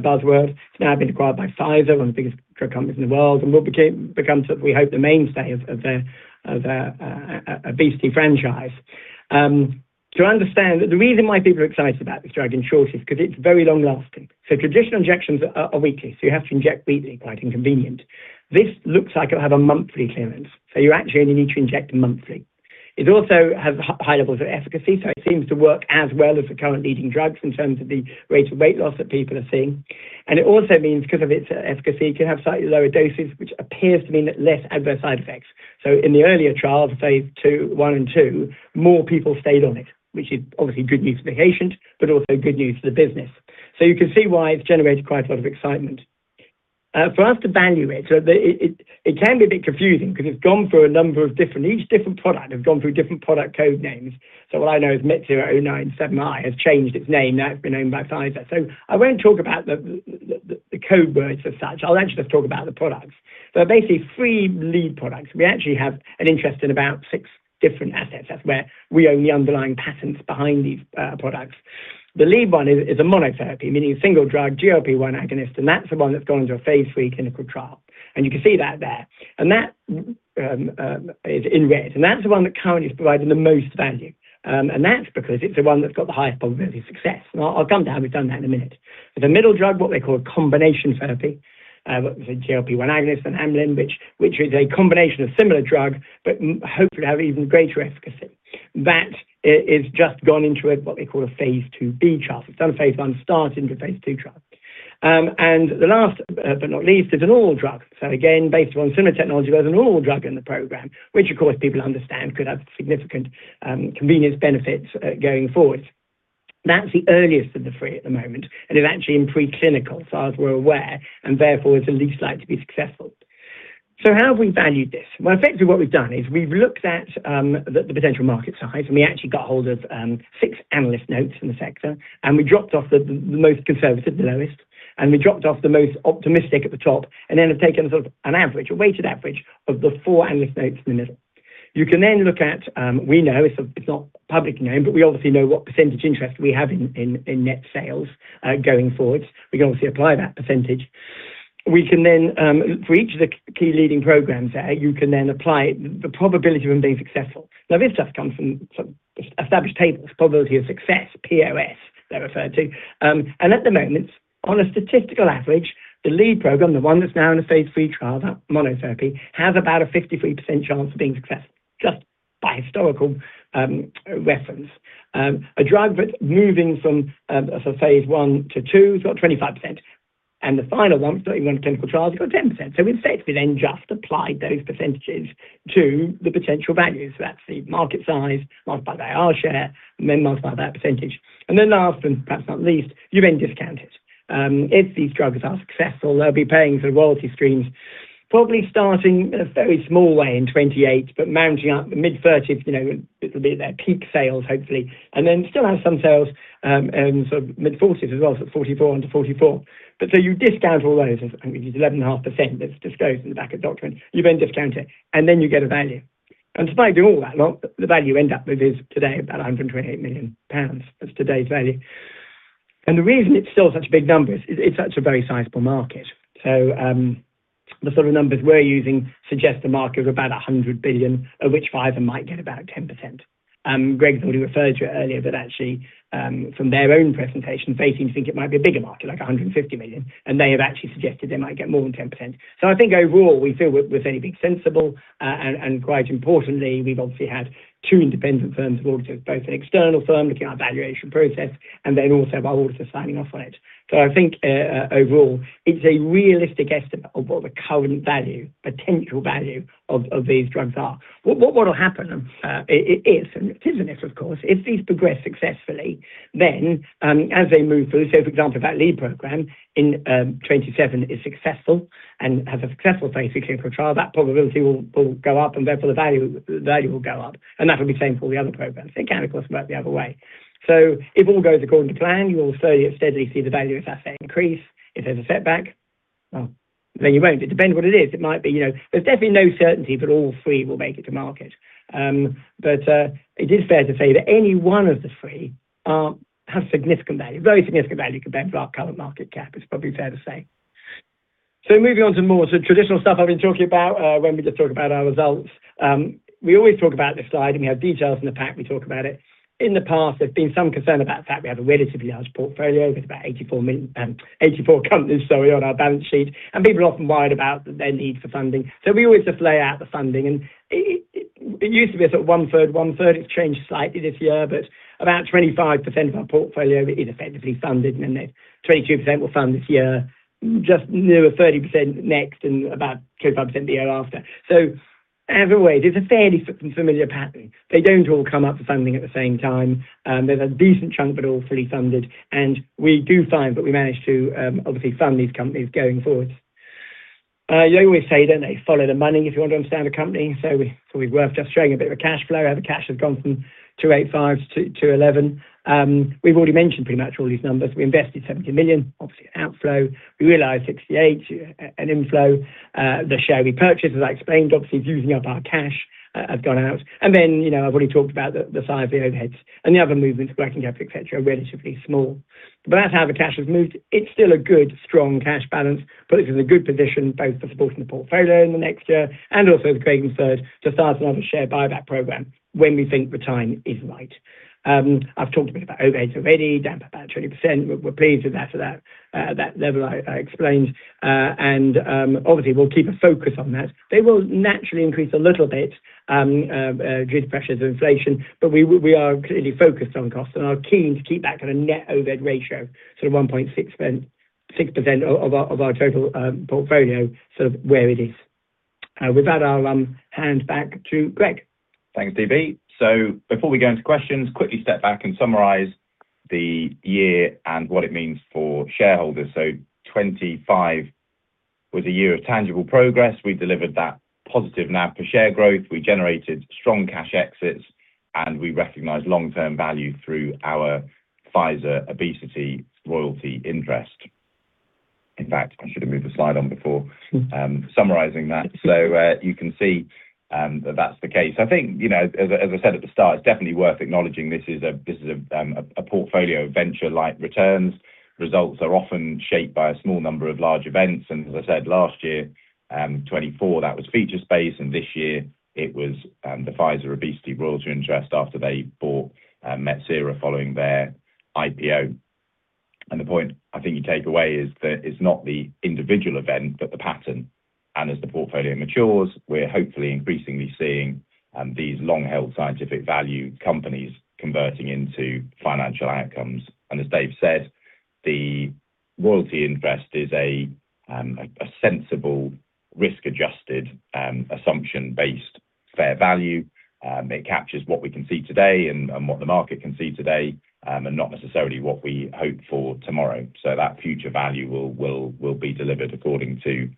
buzzword. It's now been acquired by Pfizer, one of the biggest drug companies in the world, and will become sort of, we hope, the mainstay of a obesity franchise. To understand the reason why people are excited about this drug in short is 'cause it's very long-lasting. Traditional injections are weekly, so you have to inject weekly, quite inconvenient. This looks like it'll have a monthly clearance, so you actually only need to inject monthly. It also has high levels of efficacy, so it seems to work as well as the current leading drugs in terms of the rate of weight loss that people are seeing. It also means 'cause of its efficacy, you can have slightly lower doses, which appears to mean less adverse side effects. In the earlier trials, phase II, I and II more people stayed on it, which is obviously good news for the patient, but also good news for the business. You can see why it's generated quite a lot of excitement. For us to value it can be a bit confusing 'cause it's gone through a number of different each different product have gone through different product code names. What I know is MET-097i has changed its name. Now it's been owned by Pfizer. I won't talk about the code words as such. I'll actually just talk about the products. Basically, three lead products. We actually have an interest in about six different assets. That's where we own the underlying patents behind these products. The lead one is a monotherapy, meaning a single drug, GLP-1 agonist, and that's the one that's gone into a phase III clinical trial. You can see that there. That is in red, and that's the one that currently is providing the most value. That's because it's the one that's got the highest probability of success. I'll come to how we've done that in a minute. The middle drug, what they call a combination therapy, a GLP-1 agonist, an amylin, which is a combination of similar drug, but hopefully have even greater efficacy. That is just gone into a, what they call a phase IIb trial. It's done a phase I start into phase II trial. The last, but not least, is an oral drug. Again, based on similar technology, there's an oral drug in the program, which of course, people understand could have significant, convenience benefits, going forward. That's the earliest of the three at the moment and is actually in preclinical as far as we're aware, and therefore, is the least likely to be successful. How have we valued this? Well, effectively what we've done is we've looked at the potential market size, and we actually got hold of six analyst notes from the sector, and we dropped off the most conservative, the lowest. We dropped off the most optimistic at the top and then have taken sort of an average, a weighted average of the four analyst notes in the middle. You can then look at, we know, it's not public knowledge, but we obviously know what percentage interest we have in net sales going forward. We can obviously apply that percentage. We can then for each of the key leading programs there, you can then apply the probability of them being successful. Now, this stuff comes from sort of established tables, probability of success, POS, they're referred to. At the moment, on a statistical average, the lead program, the one that's now in a phase III trial, that monotherapy, has about a 53% chance of being successful just by historical reference. A drug that's moving from sort of phase I to II, it's got 25%. The final one, starting clinical trials, you've got 10%. In effect, we then just apply those percentages to the potential value. That's the market size multiplied by our share and then multiplied by that percentage. Last, and perhaps not least, you then discount it. If these drugs are successful, they'll be paying sort of royalty streams, probably starting in a very small way in 2028, but mounting up the mid-2030s, you know, it'll be their peak sales, hopefully. Then still have some sales, sort of mid-40s as well, so 44 onto 44. You discount all those. I think we use 11.5%. That's disclosed in the back of the document. You then discount it, and then you get a value. Despite doing all that, the value we end up with is today about 128 million pounds. That's today's value. The reason it's still such a big number is it's such a very sizable market. The sort of numbers we're using suggest the market is about 100 billion, of which Pfizer might get about 10%. Greg's already referred to it earlier, but actually, from their own presentation, they seem to think it might be a bigger market, like 150 million, and they have actually suggested they might get more than 10%. I think overall, we feel we're fairly being sensible, and quite importantly, we've obviously had two independent firms of auditors, both an external firm looking at our valuation process, and then also our auditors signing off on it. I think overall, it's a realistic estimate of what the current value, potential value of these drugs are. What will happen is, and it is an if, of course, if these progress successfully, then, as they move through, say, for example, if that lead program in 2027 is successful and has a successful phase III clinical trial, that probability will go up, and therefore the value will go up. That'll be the same for all the other programs. It can, of course, work the other way. If all goes according to plan, you will slowly and steadily see the value of that set increase. If there's a setback, then you won't. It depends what it is. It might be. There's definitely no certainty that all three will make it to market. It is fair to say that any one of the three has significant value, very significant value compared to our current market cap, it's probably fair to say. Moving on to more sort of traditional stuff I've been talking about, when we just talk about our results. We always talk about this slide, and we have details in the pack, we talk about it. In the past, there's been some concern about the fact we have a relatively large portfolio. It's about 84 million, 84 companies, sorry, on our balance sheet, and people are often worried about their need for funding. We always just lay out the funding, and it used to be sort of 1/3, 1/3. It's changed slightly this year, but about 25% of our portfolio is effectively funded, and then 22% will fund this year, just near 30% next, and about 25% the year after. As always, it's a fairly sort of familiar pattern. They don't all come up for funding at the same time. There's a decent chunk that are all fully funded, and we do find that we manage to obviously fund these companies going forward. You always say, don't they, follow the money if you want to understand a company. We're worth just showing a bit of a cash flow. Our cash has gone from 285 million to 211 million. We've already mentioned pretty much all these numbers. We invested 70 million, obviously outflow. We realized 68 million, an inflow. The share repurchase, as I explained, obviously is using up our cash, has gone out. You know, I've already talked about the size of the overheads. The other movements, working capital, et cetera, are relatively small. That's how the cash has moved. It's still a good, strong cash balance. Puts us in a good position both for supporting the portfolio in the next year and also, as Greg referred, to start another share buyback program when we think the time is right. I've talked a bit about overheads already, down about 20%. We're pleased with that, at that level I explained. Obviously, we'll keep a focus on that. They will naturally increase a little bit due to pressures of inflation, but we are clearly focused on costs and are keen to keep that kind of net overhead ratio, sort of 1.6% of our total portfolio sort of where it is. With that, I'll hand back to Greg. Thanks, DB. Before we go into questions, quickly step back and summarize the year and what it means for shareholders. 2025 was a year of tangible progress. We delivered that positive NAV per share growth. We generated strong cash exits, and we recognized long-term value through our Pfizer obesity royalty interest. In fact, I should have moved the slide on before summarizing that. You can see that that's the case. I think, you know, as I said at the start, it's definitely worth acknowledging this is a portfolio of venture-like returns. Results are often shaped by a small number of large events, and as I said, last year, 2024, that was Featurespace, and this year it was the Pfizer obesity royalty interest after they bought Metsera following their IPO. The point I think you take away is that it's not the individual event, but the pattern. As the portfolio matures, we're hopefully increasingly seeing these long-held scientific value companies converting into financial outcomes. As Dave said, the royalty interest is a sensible risk-adjusted assumption-based fair value. It captures what we can see today and what the market can see today, and not necessarily what we hope for tomorrow. That future value will be delivered according to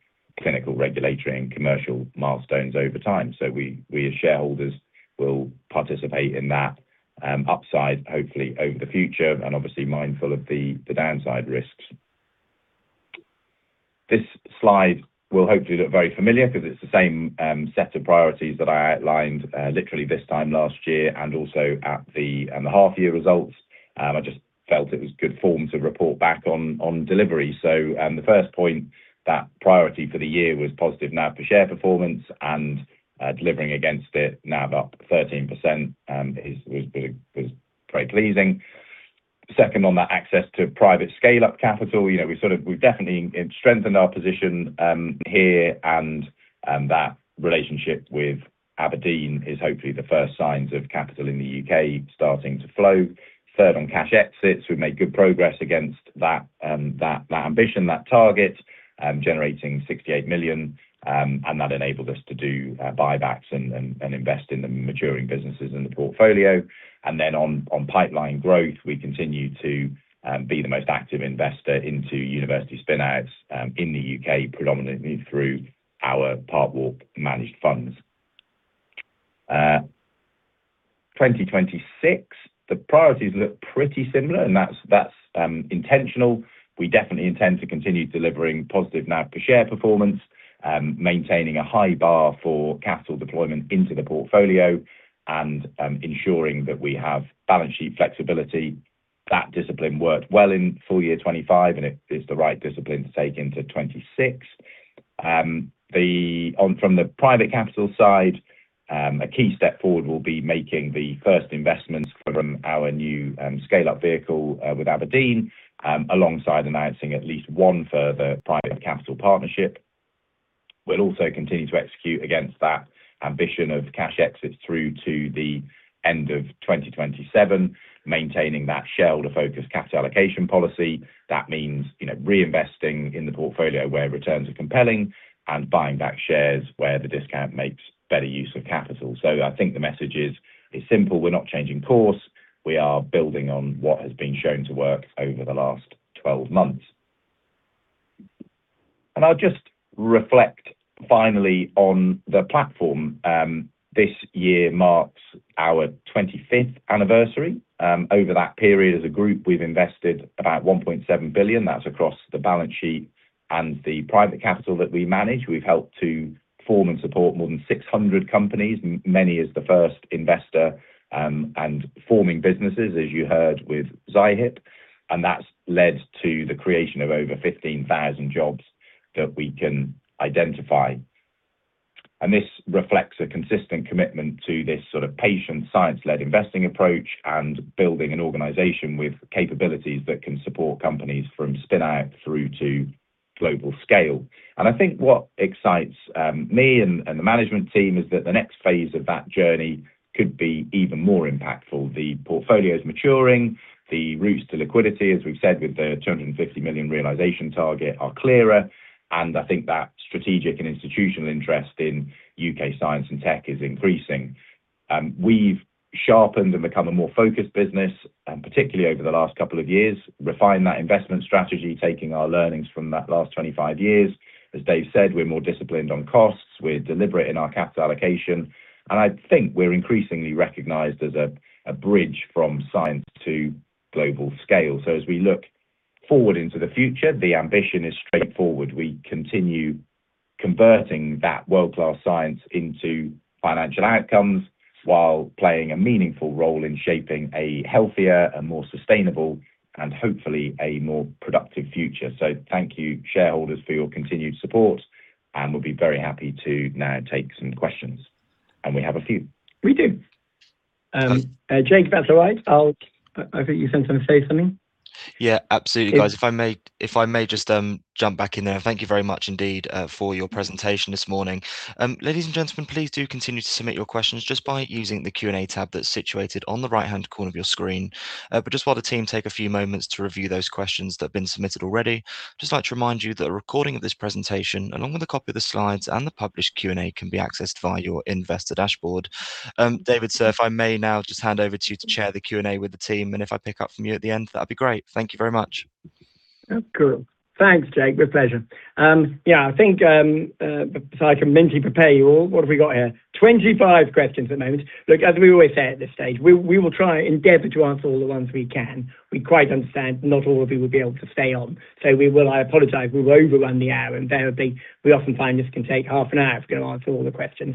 clinical, regulatory, and commercial milestones over time. We as shareholders will participate in that upside hopefully over the future and obviously mindful of the downside risks. This slide will hopefully look very familiar because it's the same set of priorities that I outlined literally this time last year and also at the half year results. I just felt it was good form to report back on delivery. The first point, that priority for the year was positive NAV per share performance and delivering against it NAV up 13% was very pleasing. Second, on that access to private scale up capital, you know, we've definitely strengthened our position here and that relationship with Aberdeen is hopefully the first signs of capital in the U.K. starting to flow. Third, on cash exits, we made good progress against that ambition, that target, generating 68 million, and that enabled us to do buybacks and invest in the maturing businesses in the portfolio. On pipeline growth, we continue to be the most active investor into university spin outs in the U.K., predominantly through our Parkwalk managed funds. 2026, the priorities look pretty similar, and that's intentional. We definitely intend to continue delivering positive NAV per share performance, maintaining a high bar for capital deployment into the portfolio and ensuring that we have balance sheet flexibility. That discipline worked well in full year 2025, and it is the right discipline to take into 2026. From the private capital side, a key step forward will be making the first investments from our new scale up vehicle with Aberdeen, alongside announcing at least one further private capital partnership. We'll also continue to execute against that ambition of cash exits through to the end of 2027, maintaining that shareholder focus capital allocation policy. That means, you know, reinvesting in the portfolio where returns are compelling and buying back shares where the discount makes better use of capital. I think the message is simple. We're not changing course. We are building on what has been shown to work over the last 12 months. I'll just reflect finally on the platform. This year marks our 25th anniversary. Over that period as a group, we've invested about 1.7 billion. That's across the balance sheet and the private capital that we manage. We've helped to form and support more than 600 companies, many as the first investor, and forming businesses, as you heard with Zihipp. That's led to the creation of over 15,000 jobs that we can identify. This reflects a consistent commitment to this sort of patient science-led investing approach and building an organization with capabilities that can support companies from spin out through to global scale. I think what excites me and the management team is that the next phase of that journey could be even more impactful. The portfolio is maturing, the routes to liquidity, as we've said with the 250 million realization target are clearer, and I think that strategic and institutional interest in U.K. science and tech is increasing. We've sharpened and became a more focused business, and particularly over the last couple of years, refined that investment strategy, taking our learnings from that last 25 years. As Dave said, we're more disciplined on costs. We're deliberate in our capital allocation. I think we're increasingly recognized as a bridge from science to global scale. As we look forward into the future, the ambition is straightforward. We continue converting that world-class science into financial outcomes while playing a meaningful role in shaping a healthier and more sustainable and hopefully a more productive future. Thank you, shareholders, for your continued support, and we'll be very happy to now take some questions. We have a few. We do. Um- Jake, if that's all right, I think you were going to say something. Yeah, absolutely, guys. If I may just jump back in there. Thank you very much indeed for your presentation this morning. Ladies and gentlemen, please do continue to submit your questions just by using the Q&A tab that's situated on the right-hand corner of your screen. Just while the team take a few moments to review those questions that have been submitted already, just like to remind you that a recording of this presentation, along with a copy of the slides and the published Q&A, can be accessed via your investor dashboard. David, sir, if I may now just hand over to you to chair the Q&A with the team, and if I pick up from you at the end, that'd be great. Thank you very much. Cool. Thanks, Jake. With pleasure. Yeah, I think I can mentally prepare you all. What have we got here? 25 questions at the moment. Look, as we always say at this stage, we will try and endeavor to answer all the ones we can. We quite understand not all of you will be able to stay on. We will, I apologize, we will overrun the hour invariably. We often find this can take half an hour to answer all the questions.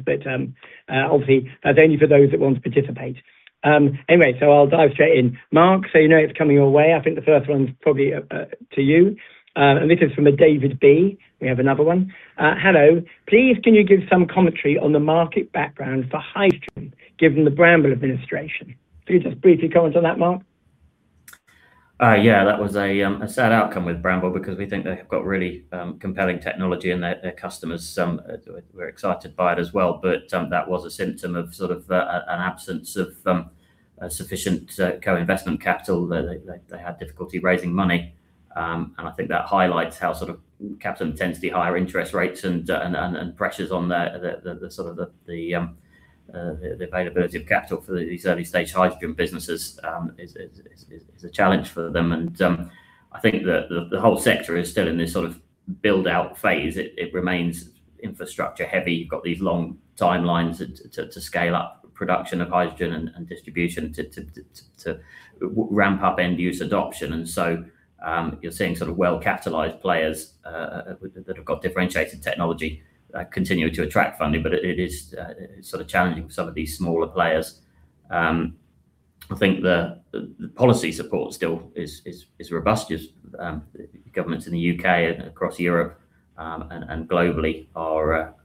Obviously, that's only for those that want to participate. Anyway, I'll dive straight in. Mark, you know it's coming your way. I think the first one is probably to you. This is from a David B. We have another one. "Hello, please, can you give some commentary on the market background for hydrogen, given the Bramble administration?" Can you just briefly comment on that, Mark? Yeah, that was a sad outcome with Bramble because we think they have got really compelling technology and their customers were excited by it as well. That was a symptom of sort of an absence of sufficient co-investment capital. They had difficulty raising money. I think that highlights how sort of capital intensity, higher interest rates and pressures on the sort of the availability of capital for these early-stage hydrogen businesses is a challenge for them. I think the whole sector is still in this sort of build out phase, it remains infrastructure heavy. You've got these long timelines to scale up production of hydrogen and distribution to ramp up end user adoption. You're seeing sort of well-capitalized players that have got differentiated technology continue to attract funding. It is sort of challenging for some of these smaller players. I think the policy support still is robust. Governments in the U.K. and across Europe and globally are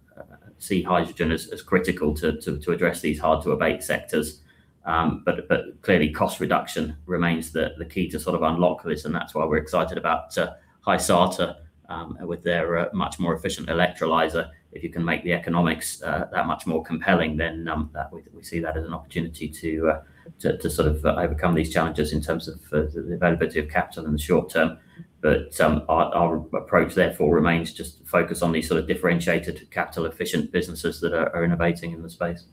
seeing hydrogen as critical to address these hard to abate sectors. Clearly cost reduction remains the key to sort of unlock this, and that's why we're excited about Hysata with their much more efficient electrolyzer. If you can make the economics that much more compelling, then we see that as an opportunity to sort of overcome these challenges in terms of the availability of capital in the short term. Our approach therefore remains just focused on these sort of differentiated, capital-efficient businesses that are innovating in the space.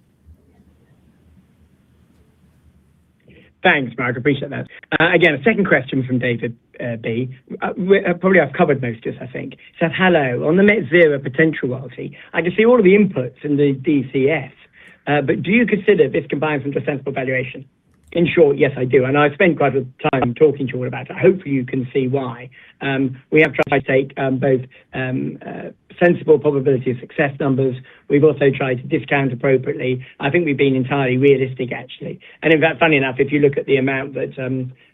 Thanks, Mark. Appreciate that. Again, a second question from David B. Probably I've covered most of this, I think. Says, "Hello. On the Net Zero potential royalty, I can see all of the inputs in the DCF, but do you consider this combines into a sensible valuation?" In short, yes, I do. I've spent quite a time talking to you all about it. Hopefully, you can see why. We have tried to take both sensible probability of success numbers. We've also tried to discount appropriately. I think we've been entirely realistic, actually. In fact, funny enough, if you look at the amount that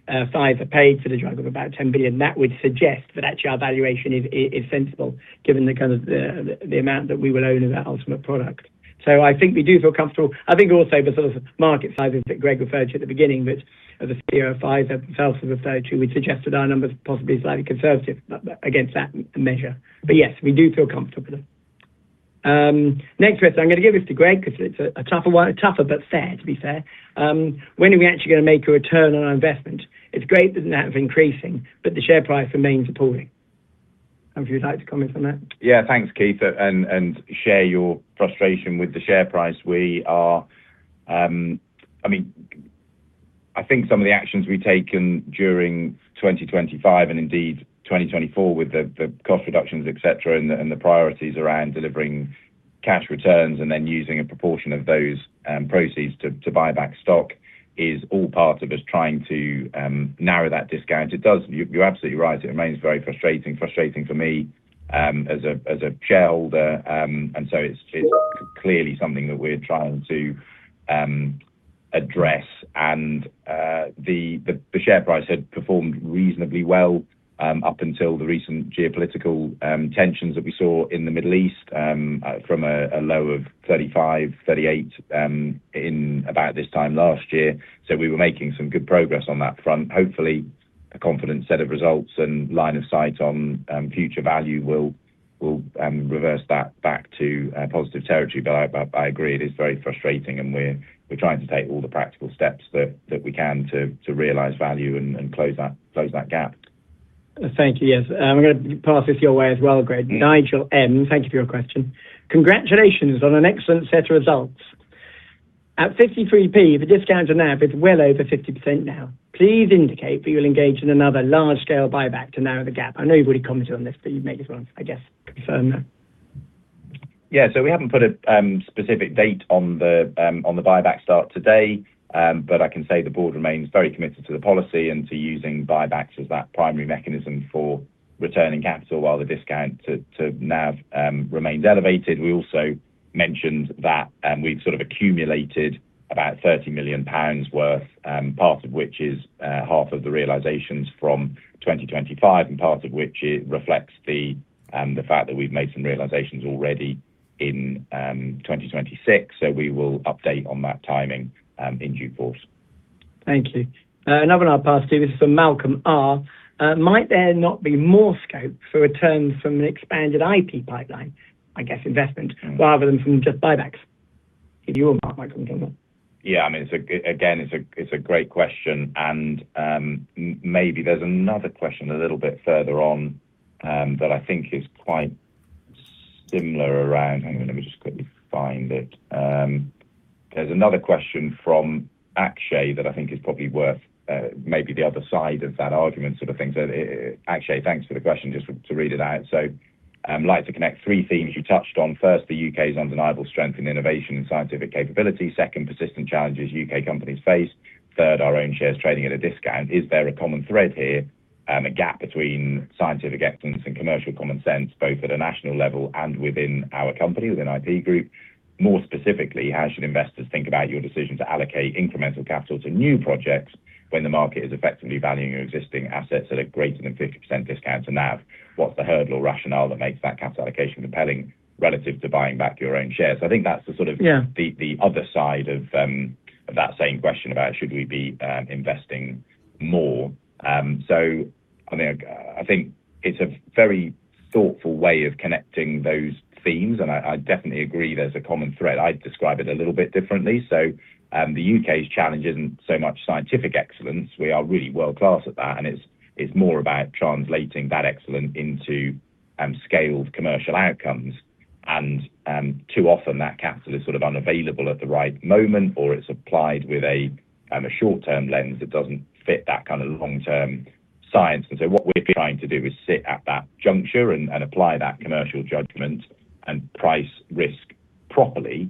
Pfizer paid for the drug of about $10 billion, that would suggest that actually our valuation is sensible given the kind of the amount that we would own of that ultimate product. I think we do feel comfortable. I think also the sort of market sizes that Greg referred to at the beginning, which obviously Pfizer themselves have referred to, we suggested our numbers possibly slightly conservative against that measure. Yes, we do feel comfortable. Next question. I'm gonna give this to Greg 'cause it's a tougher one. A tougher but fair one, to be fair. When are we actually gonna make a return on our investment? It's great the NAV increasing, but the share price remains appalling. Don't know if you'd like to comment on that. Yeah. Thanks, Keith, and share your frustration with the share price. I mean, I think some of the actions we've taken during 2025 and indeed 2024 with the cost reductions, et cetera, and the priorities around delivering cash returns and then using a proportion of those proceeds to buy back stock is all part of us trying to narrow that discount. It does. You're absolutely right. It remains very frustrating. Frustrating for me as a shareholder. It's clearly something that we're trying to address. The share price had performed reasonably well up until the recent geopolitical tensions that we saw in the Middle East from a low of 35-38 in about this time last year. We were making some good progress on that front. Hopefully, a confident set of results and line of sight on future value will reverse that back to positive territory. I agree. It is very frustrating, and we're trying to take all the practical steps that we can to realize value and close that gap. Thank you. Yes. I'm gonna pass this your way as well, Greg. Mm-hmm. Nigel M., thank you for your question. Congratulations on an excellent set of results. At 0.53, if the discount on NAV is well over 50% now, please indicate that you will engage in another large-scale buyback to narrow the gap. I know you've already commented on this, but you may as well, I guess, confirm that. Yeah. We haven't put a specific date on the buyback start today. I can say the board remains very committed to the policy and to using buybacks as that primary mechanism for returning capital while the discount to NAV remains elevated. We also mentioned that we've sort of accumulated about 30 million pounds worth, part of which is half of the realizations from 2025, and part of which it reflects the fact that we've made some realizations already in 2026. We will update on that timing in due course. Thank you. Another one I'll pass to you. This is from Malcolm R. "Might there not be more scope for returns from an expanded IP pipeline, I guess investment, rather than from just buybacks?" If you or Mark might want to comment. Yeah. I mean, it's a great question, and maybe there's another question a little bit further on that I think is quite similar. Hang on. Let me just quickly find it. There's another question from Akshay that I think is probably worth maybe the other side of that argument sort of thing. So, Akshay, thanks for the question. Just to read it out, "So, like to connect three themes you touched on. First, the U.K.'s undeniable strength in innovation and scientific capability. Second, persistent challenges U.K. companies face. Third, our own shares trading at a discount. Is there a common thread here, a gap between scientific excellence and commercial common sense, both at a national level and within our company, within IP Group? More specifically, how should investors think about your decision to allocate incremental capital to new projects when the market is effectively valuing your existing assets at a greater than 50% discount to NAV? What's the hurdle or rationale that makes that capital allocation compelling relative to buying back your own shares?" I think that's the sort of– Yeah The other side of that same question about should we be investing more. I mean, I think it's a very thoughtful way of connecting those themes, and I definitely agree there's a common thread. I'd describe it a little bit differently. The U.K.'s challenge isn't so much scientific excellence. We are really world-class at that, and it's more about translating that excellence into scaled commercial outcomes. Too often that capital is sort of unavailable at the right moment, or it's applied with a short-term lens that doesn't fit that kind of long-term science. What we're trying to do is sit at that juncture and apply that commercial judgment and price risk properly,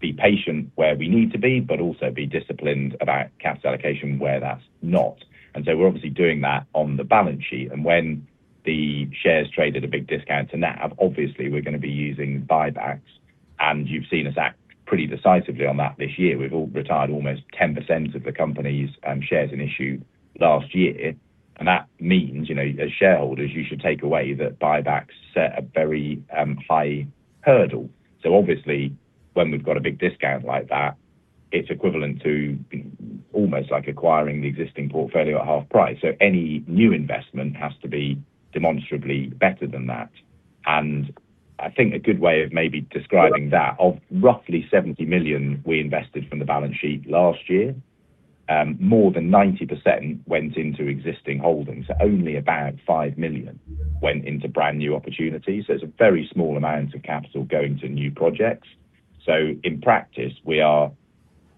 be patient where we need to be, but also be disciplined about capital allocation where that's not. We're obviously doing that on the balance sheet. When the shares trade at a big discount to NAV, obviously we're gonna be using buybacks, and you've seen us act pretty decisively on that this year. We've all retired almost 10% of the company's shares in issue last year. That means, you know, as shareholders, you should take away that buybacks set a very high hurdle. Obviously when we've got a big discount like that, it's equivalent to almost like acquiring the existing portfolio at half price. Any new investment has to be demonstrably better than that. I think a good way of maybe describing that, of roughly 70 million we invested from the balance sheet last year, more than 90% went into existing holdings. Only about 5 million went into brand-new opportunities. It's a very small amount of capital going to new projects. In practice, we are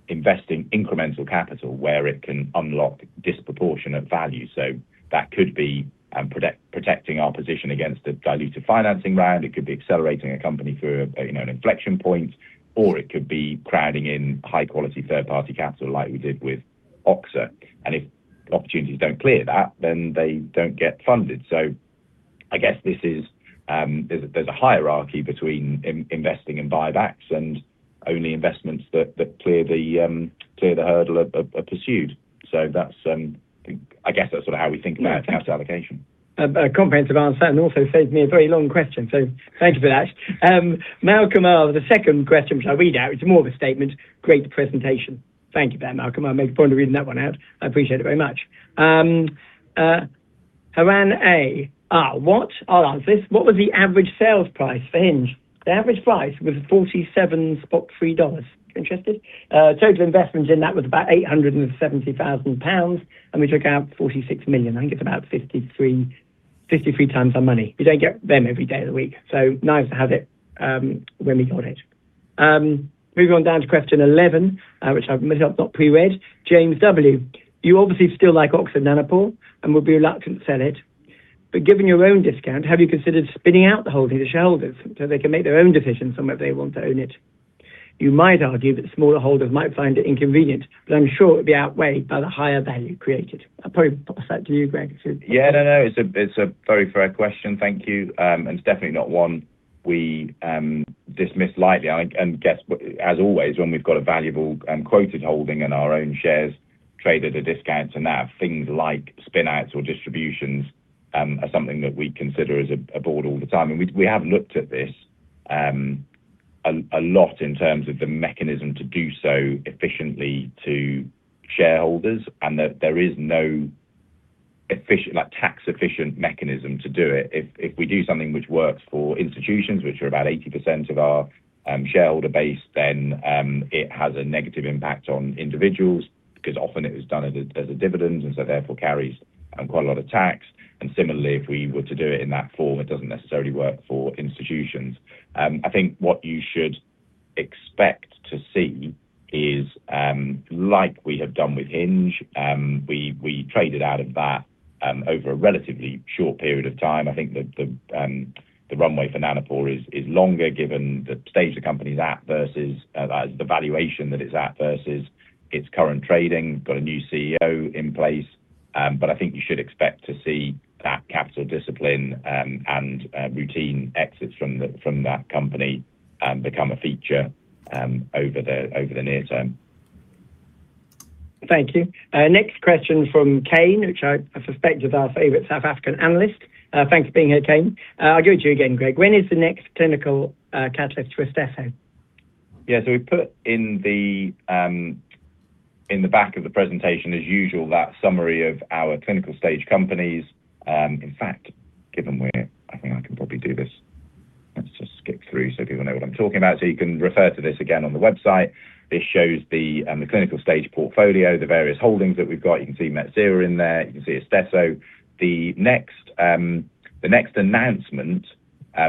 investing incremental capital where it can unlock disproportionate value. That could be protecting our position against a diluted financing round. It could be accelerating a company through, you know, an inflection point, or it could be crowding in high-quality third-party capital like we did with Oxa. If opportunities don't clear that, then they don't get funded. I guess there's a hierarchy between investing in buybacks and only investments that clear the hurdle are pursued. That's, I guess that's sort of how we think about capital allocation. Yeah. A comprehensive answer, and also saves me a very long question, so thank you for that. Malcolm R., the second question, which I'll read out. It's more of a statement. "Great presentation." Thank you for that, Malcolm. I'll make a point of reading that one out. I appreciate it very much. Hiran A., I'll ask this. "What was the average sales price for Hinge?" The average price was $47.3, if you're interested. Total investment in that was about 870,000 pounds, and we took out $46 million. I think it's about 53x our money. You don't get them every day of the week, so nice to have it, when we got it. Moving on down to question eleven, which I've myself not pre-read. James W. "You obviously still like Oxa and Oxford Nanopore and would be reluctant to sell it, but given your own discount, have you considered spinning out the holding to shareholders so they can make their own decisions on whether they want to own it? You might argue that smaller holders might find it inconvenient, but I'm sure it would be outweighed by the higher value created." I'll probably pop that to you, Greg. Yeah, no. It's a very fair question. Thank you. It's definitely not one we dismiss lightly. I think and guess, as always, when we've got a valuable and quoted holding and our own shares trade at a discount to NAV, things like spin-outs or distributions are something that we consider as a board all the time. We have looked at this a lot in terms of the mechanism to do so efficiently to shareholders and that there is no efficient, like, tax-efficient mechanism to do it. If we do something which works for institutions, which are about 80% of our shareholder base, then it has a negative impact on individuals because often it is done as a dividend and so therefore carries quite a lot of tax. Similarly, if we were to do it in that form, it doesn't necessarily work for institutions. I think what you should expect to see is, like we have done with Hinge, we traded out of that over a relatively short period of time. I think the runway for Nanopore is longer, given the stage the company's at versus the valuation that it's at versus its current trading. Got a new CEO in place. But I think you should expect to see that capital discipline and routine exits from that company become a feature over the near term. Thank you. Next question from Kane, which I suspect is our favorite South African analyst. Thanks for being here, Kane. I'll give it to you again, Greg. "When is the next clinical catalyst for Istesso? Yeah. We put in the back of the presentation, as usual, that summary of our clinical-stage companies. In fact, I think I can probably do this. Let's just skip through so people know what I'm talking about. You can refer to this again on the website. This shows the clinical-stage portfolio, the various holdings that we've got. You can see Metsera in there. You can see Istesso. The next announcement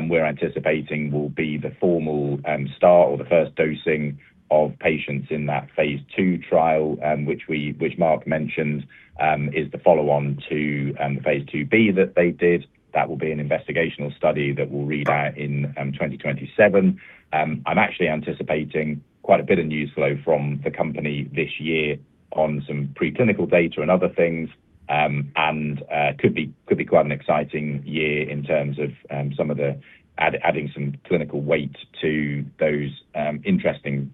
we're anticipating will be the formal start or the first dosing of patients in that phase II trial, which Mark mentioned, is the follow-on to the phase II-B that they did. That will be an investigational study that will read out in 2027. I'm actually anticipating quite a bit of news flow from the company this year on some preclinical data and other things, and could be quite an exciting year in terms of some of the adding some clinical weight to those interesting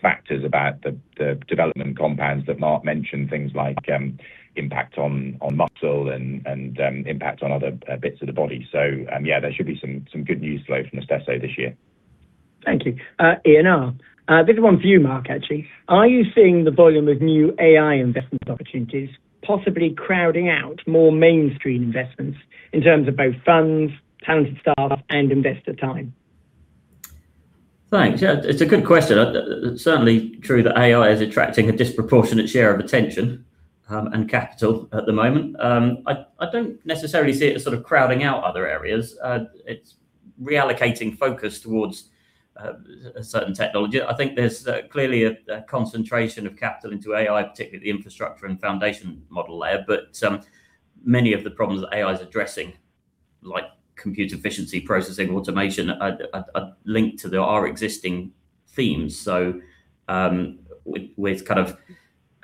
factors about the development compounds that Mark mentioned, things like impact on muscle and impact on other bits of the body. Yeah, there should be some good news flow from Istesso this year. Thank you. Ian R. This is one for you, Mark, actually. "Are you seeing the volume of new AI investment opportunities possibly crowding out more mainstream investments in terms of both funds, talented staff, and investor time?" Thanks. Yeah, it's a good question. It's certainly true that AI is attracting a disproportionate share of attention and capital at the moment. I don't necessarily see it as sort of crowding out other areas. It's reallocating focus towards a certain technology. I think there's clearly a concentration of capital into AI, particularly infrastructure and foundation model layer. Many of the problems that AI is addressing, like compute efficiency, processing, automation, are linked to our existing themes.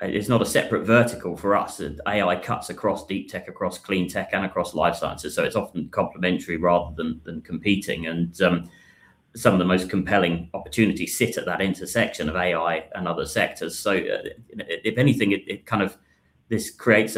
It's not a separate vertical for us. AI cuts across deep tech, across clean tech, and across life sciences, so it's often complementary rather than competing. Some of the most compelling opportunities sit at that intersection of AI and other sectors. If anything, it kind of creates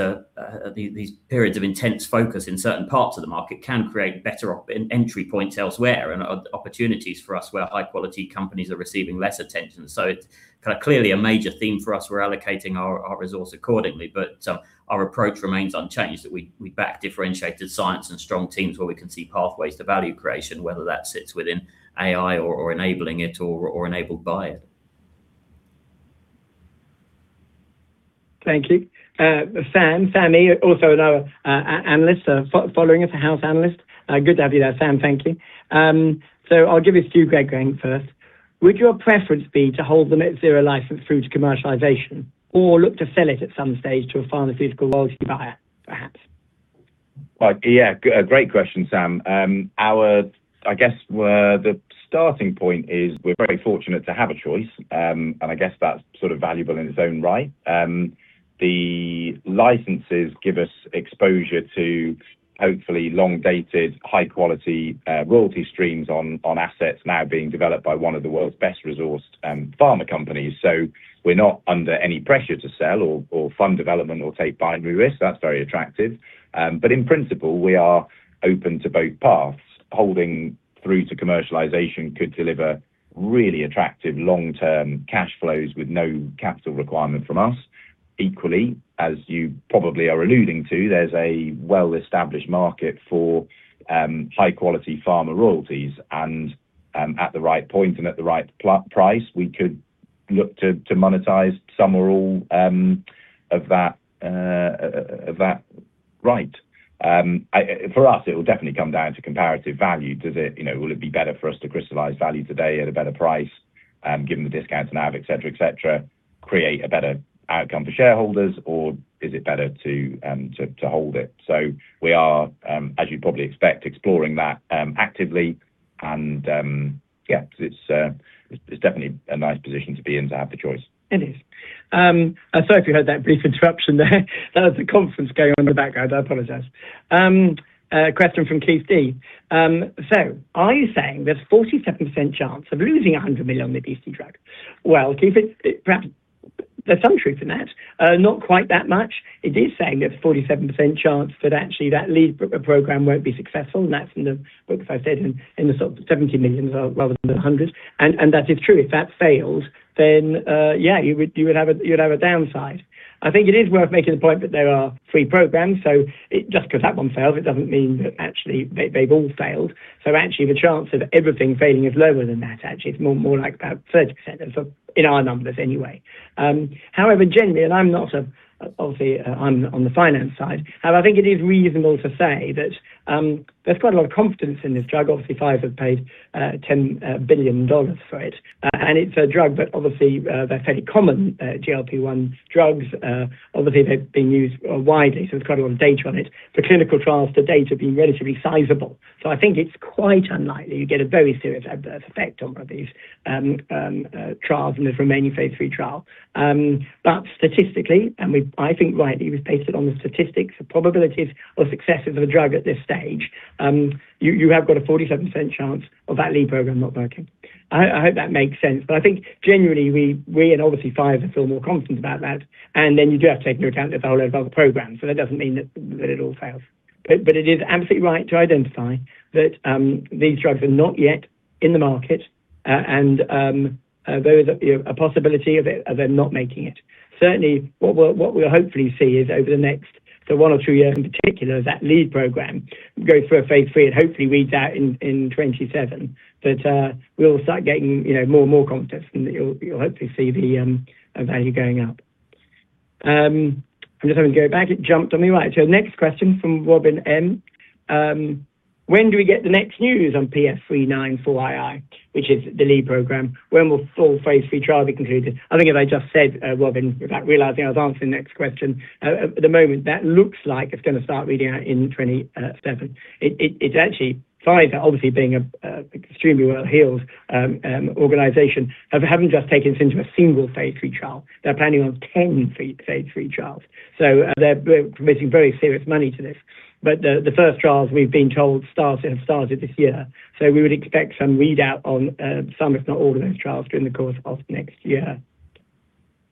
these periods of intense focus in certain parts of the market can create better entry points elsewhere and opportunities for us where high-quality companies are receiving less attention. It's kind of clearly a major theme for us. We're allocating our resource accordingly, but our approach remains unchanged, that we back differentiated science and strong teams where we can see pathways to value creation, whether that sits within AI or enabling it or enabled by it. Thank you. Sam, also another analyst following us, a health analyst. Good to have you there, Sam. Thank you. I'll give it to you, Greg, going first. "Would your preference be to hold the Net Zero license through to commercialization or look to sell it at some stage to a pharmaceutical royalty buyer, perhaps?" Well, yeah. Great question, Sam. I guess the starting point is we're very fortunate to have a choice, and I guess that's sort of valuable in its own right. The licenses give us exposure to hopefully long-dated, high-quality royalty streams on assets now being developed by one of the world's best-resourced pharma companies. We're not under any pressure to sell or fund development or take binary risk. That's very attractive. In principle, we are open to both paths. Holding through to commercialization could deliver really attractive long-term cash flows with no capital requirement from us. Equally, as you probably are alluding to, there's a well-established market for high-quality pharma royalties, and at the right point and at the right price, we could look to monetize some or all of that right. For us, it will definitely come down to comparative value. Does it, you know, will it be better for us to crystallize value today at a better price, given the discounts now, et cetera, et cetera, create a better outcome for shareholders, or is it better to hold it? We are, as you'd probably expect, exploring that actively. Yeah, 'cause it's definitely a nice position to be in to have the choice. It is. Sorry if you heard that brief interruption there. That was a conference going on in the background. I apologize. A question from Keith D. "Are you saying there's a 47% chance of losing 100 million on the obesity drug?" Well, Keith, perhaps there's some truth in that. Not quite that much. It is saying there's a 47% chance that actually that lead program won't be successful, and that's in the, like I said, in the sort of 70 million rather than 100. That is true. If that fails, then yeah, you would have a downside. I think it is worth making the point that there are three programs, so just 'cause that one fails, it doesn't mean that actually they've all failed. Actually, the chance of everything failing is lower than that actually. It's more like about 30% in our numbers anyway. However, generally, obviously, I'm on the finance side. However, I think it is reasonable to say that there's quite a lot of confidence in this drug. Obviously, Pfizer have paid $10 billion for it. It's a drug that obviously, they're fairly common GLP-1 drugs. Obviously, they've been used widely, so there's quite a lot of data on it. The clinical trials to date have been relatively sizable. I think it's quite unlikely you get a very serious adverse effect on one of these trials in this remaining phase III trial. Statistically, I think rightly, we've based it on the statistics, the probabilities of successes of a drug at this stage, you have got a 47% chance of that lead program not working. I hope that makes sense. I think generally, we and obviously Pfizer feel more confident about that. Then you do have to take into account there's a whole load of other programs. That doesn't mean that it all fails. It is absolutely right to identify that these drugs are not yet in the market, and there is a possibility of them not making it. Certainly, what we'll hopefully see is over the next one or two years in particular, that lead program goes through a phase III and hopefully reads out in 2027. We'll start getting, you know, more and more confidence, and you'll hopefully see the value going up. I'm just having to go back. It jumped on me. Right. Next question from Robin M. "When do we get the next news on PF'3944-II, which is the lead program? When will full phase III trial be concluded?" I think as I just said, Robin, without realizing I was answering the next question, at the moment, that looks like it's gonna start reading out in 2027. It's actually Pfizer obviously being a extremely well-heeled organization, haven't just taken this into a single phase III trial. They're planning on 10 phase III trials. They're committing very serious money to this. The first trials, we've been told, have started this year. We would expect some readout on some, if not all, of those trials during the course of next year.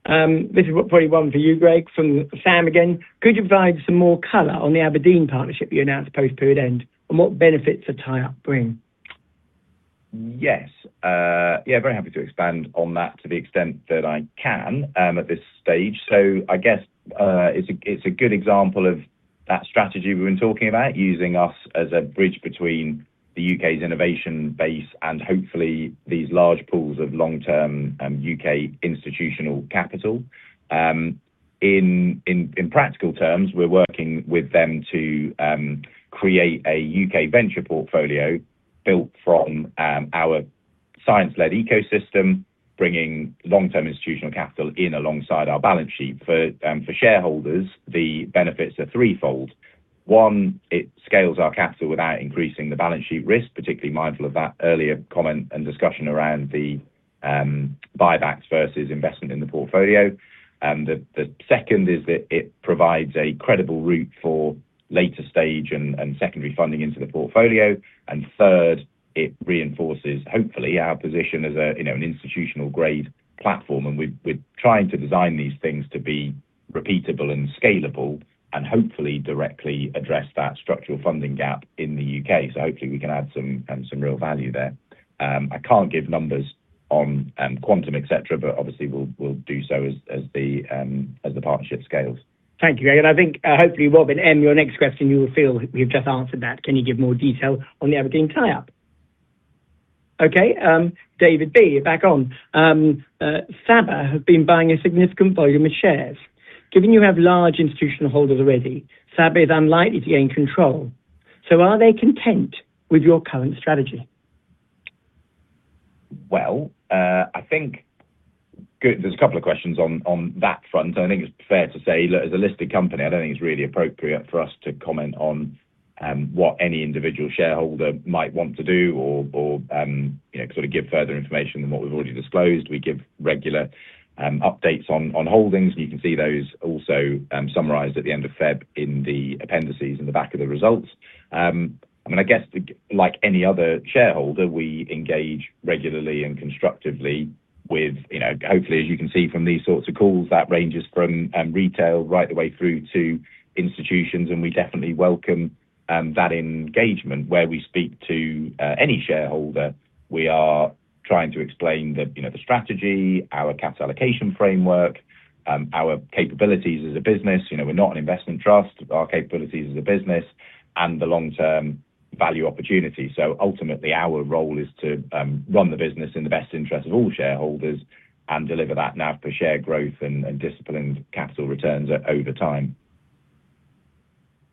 This is probably one for you, Greg, from Sam again. "Could you provide some more color on the Aberdeen partnership you announced post-period end, and what benefits the tie-up bring?" Yes. Yeah, very happy to expand on that to the extent that I can at this stage. I guess it's a good example of that strategy we've been talking about using us as a bridge between the U.K.'s innovation base and hopefully these large pools of long-term U.K. institutional capital. In practical terms, we're working with them to create a U.K. venture portfolio built from our science-led ecosystem, bringing long-term institutional capital in alongside our balance sheet. For shareholders, the benefits are threefold. One, it scales our capital without increasing the balance sheet risk, particularly mindful of that earlier comment and discussion around the buybacks versus investment in the portfolio. The second is that it provides a credible route for later stage and secondary funding into the portfolio. Third, it reinforces hopefully our position as a, you know, an institutional grade platform. We're trying to design these things to be repeatable and scalable and hopefully directly address that structural funding gap in the U.K. Hopefully we can add some real value there. I can't give numbers on quantum, et cetera, but obviously, we'll do so as the partnership scales. Thank you. I think, hopefully Robin M., your next question, you will feel we've just answered that. "Can you give more detail on the Aberdeen tie-up?" Okay. David B., you're back on. "Saba have been buying a significant volume of shares. Given you have large institutional holders already, Saba is unlikely to gain control. Are they content with your current strategy?" Well, I think there's a couple of questions on that front. I think it's fair to say, look, as a listed company, I don't think it's really appropriate for us to comment on what any individual shareholder might want to do or you know, sort of give further information than what we've already disclosed. We give regular updates on holdings. You can see those also summarized at the end of February in the appendices in the back of the results. I mean, I guess like any other shareholder, we engage regularly and constructively with you know, hopefully, as you can see from these sorts of calls, that ranges from retail right the way through to institutions, and we definitely welcome that engagement. Where we speak to any shareholder, we are trying to explain the, you know, the strategy, our capital allocation framework, our capabilities as a business. You know, we're not an investment trust, our capabilities as a business and the long-term value opportunity. Ultimately our role is to run the business in the best interest of all shareholders and deliver that NAV per share growth and disciplined capital returns over time.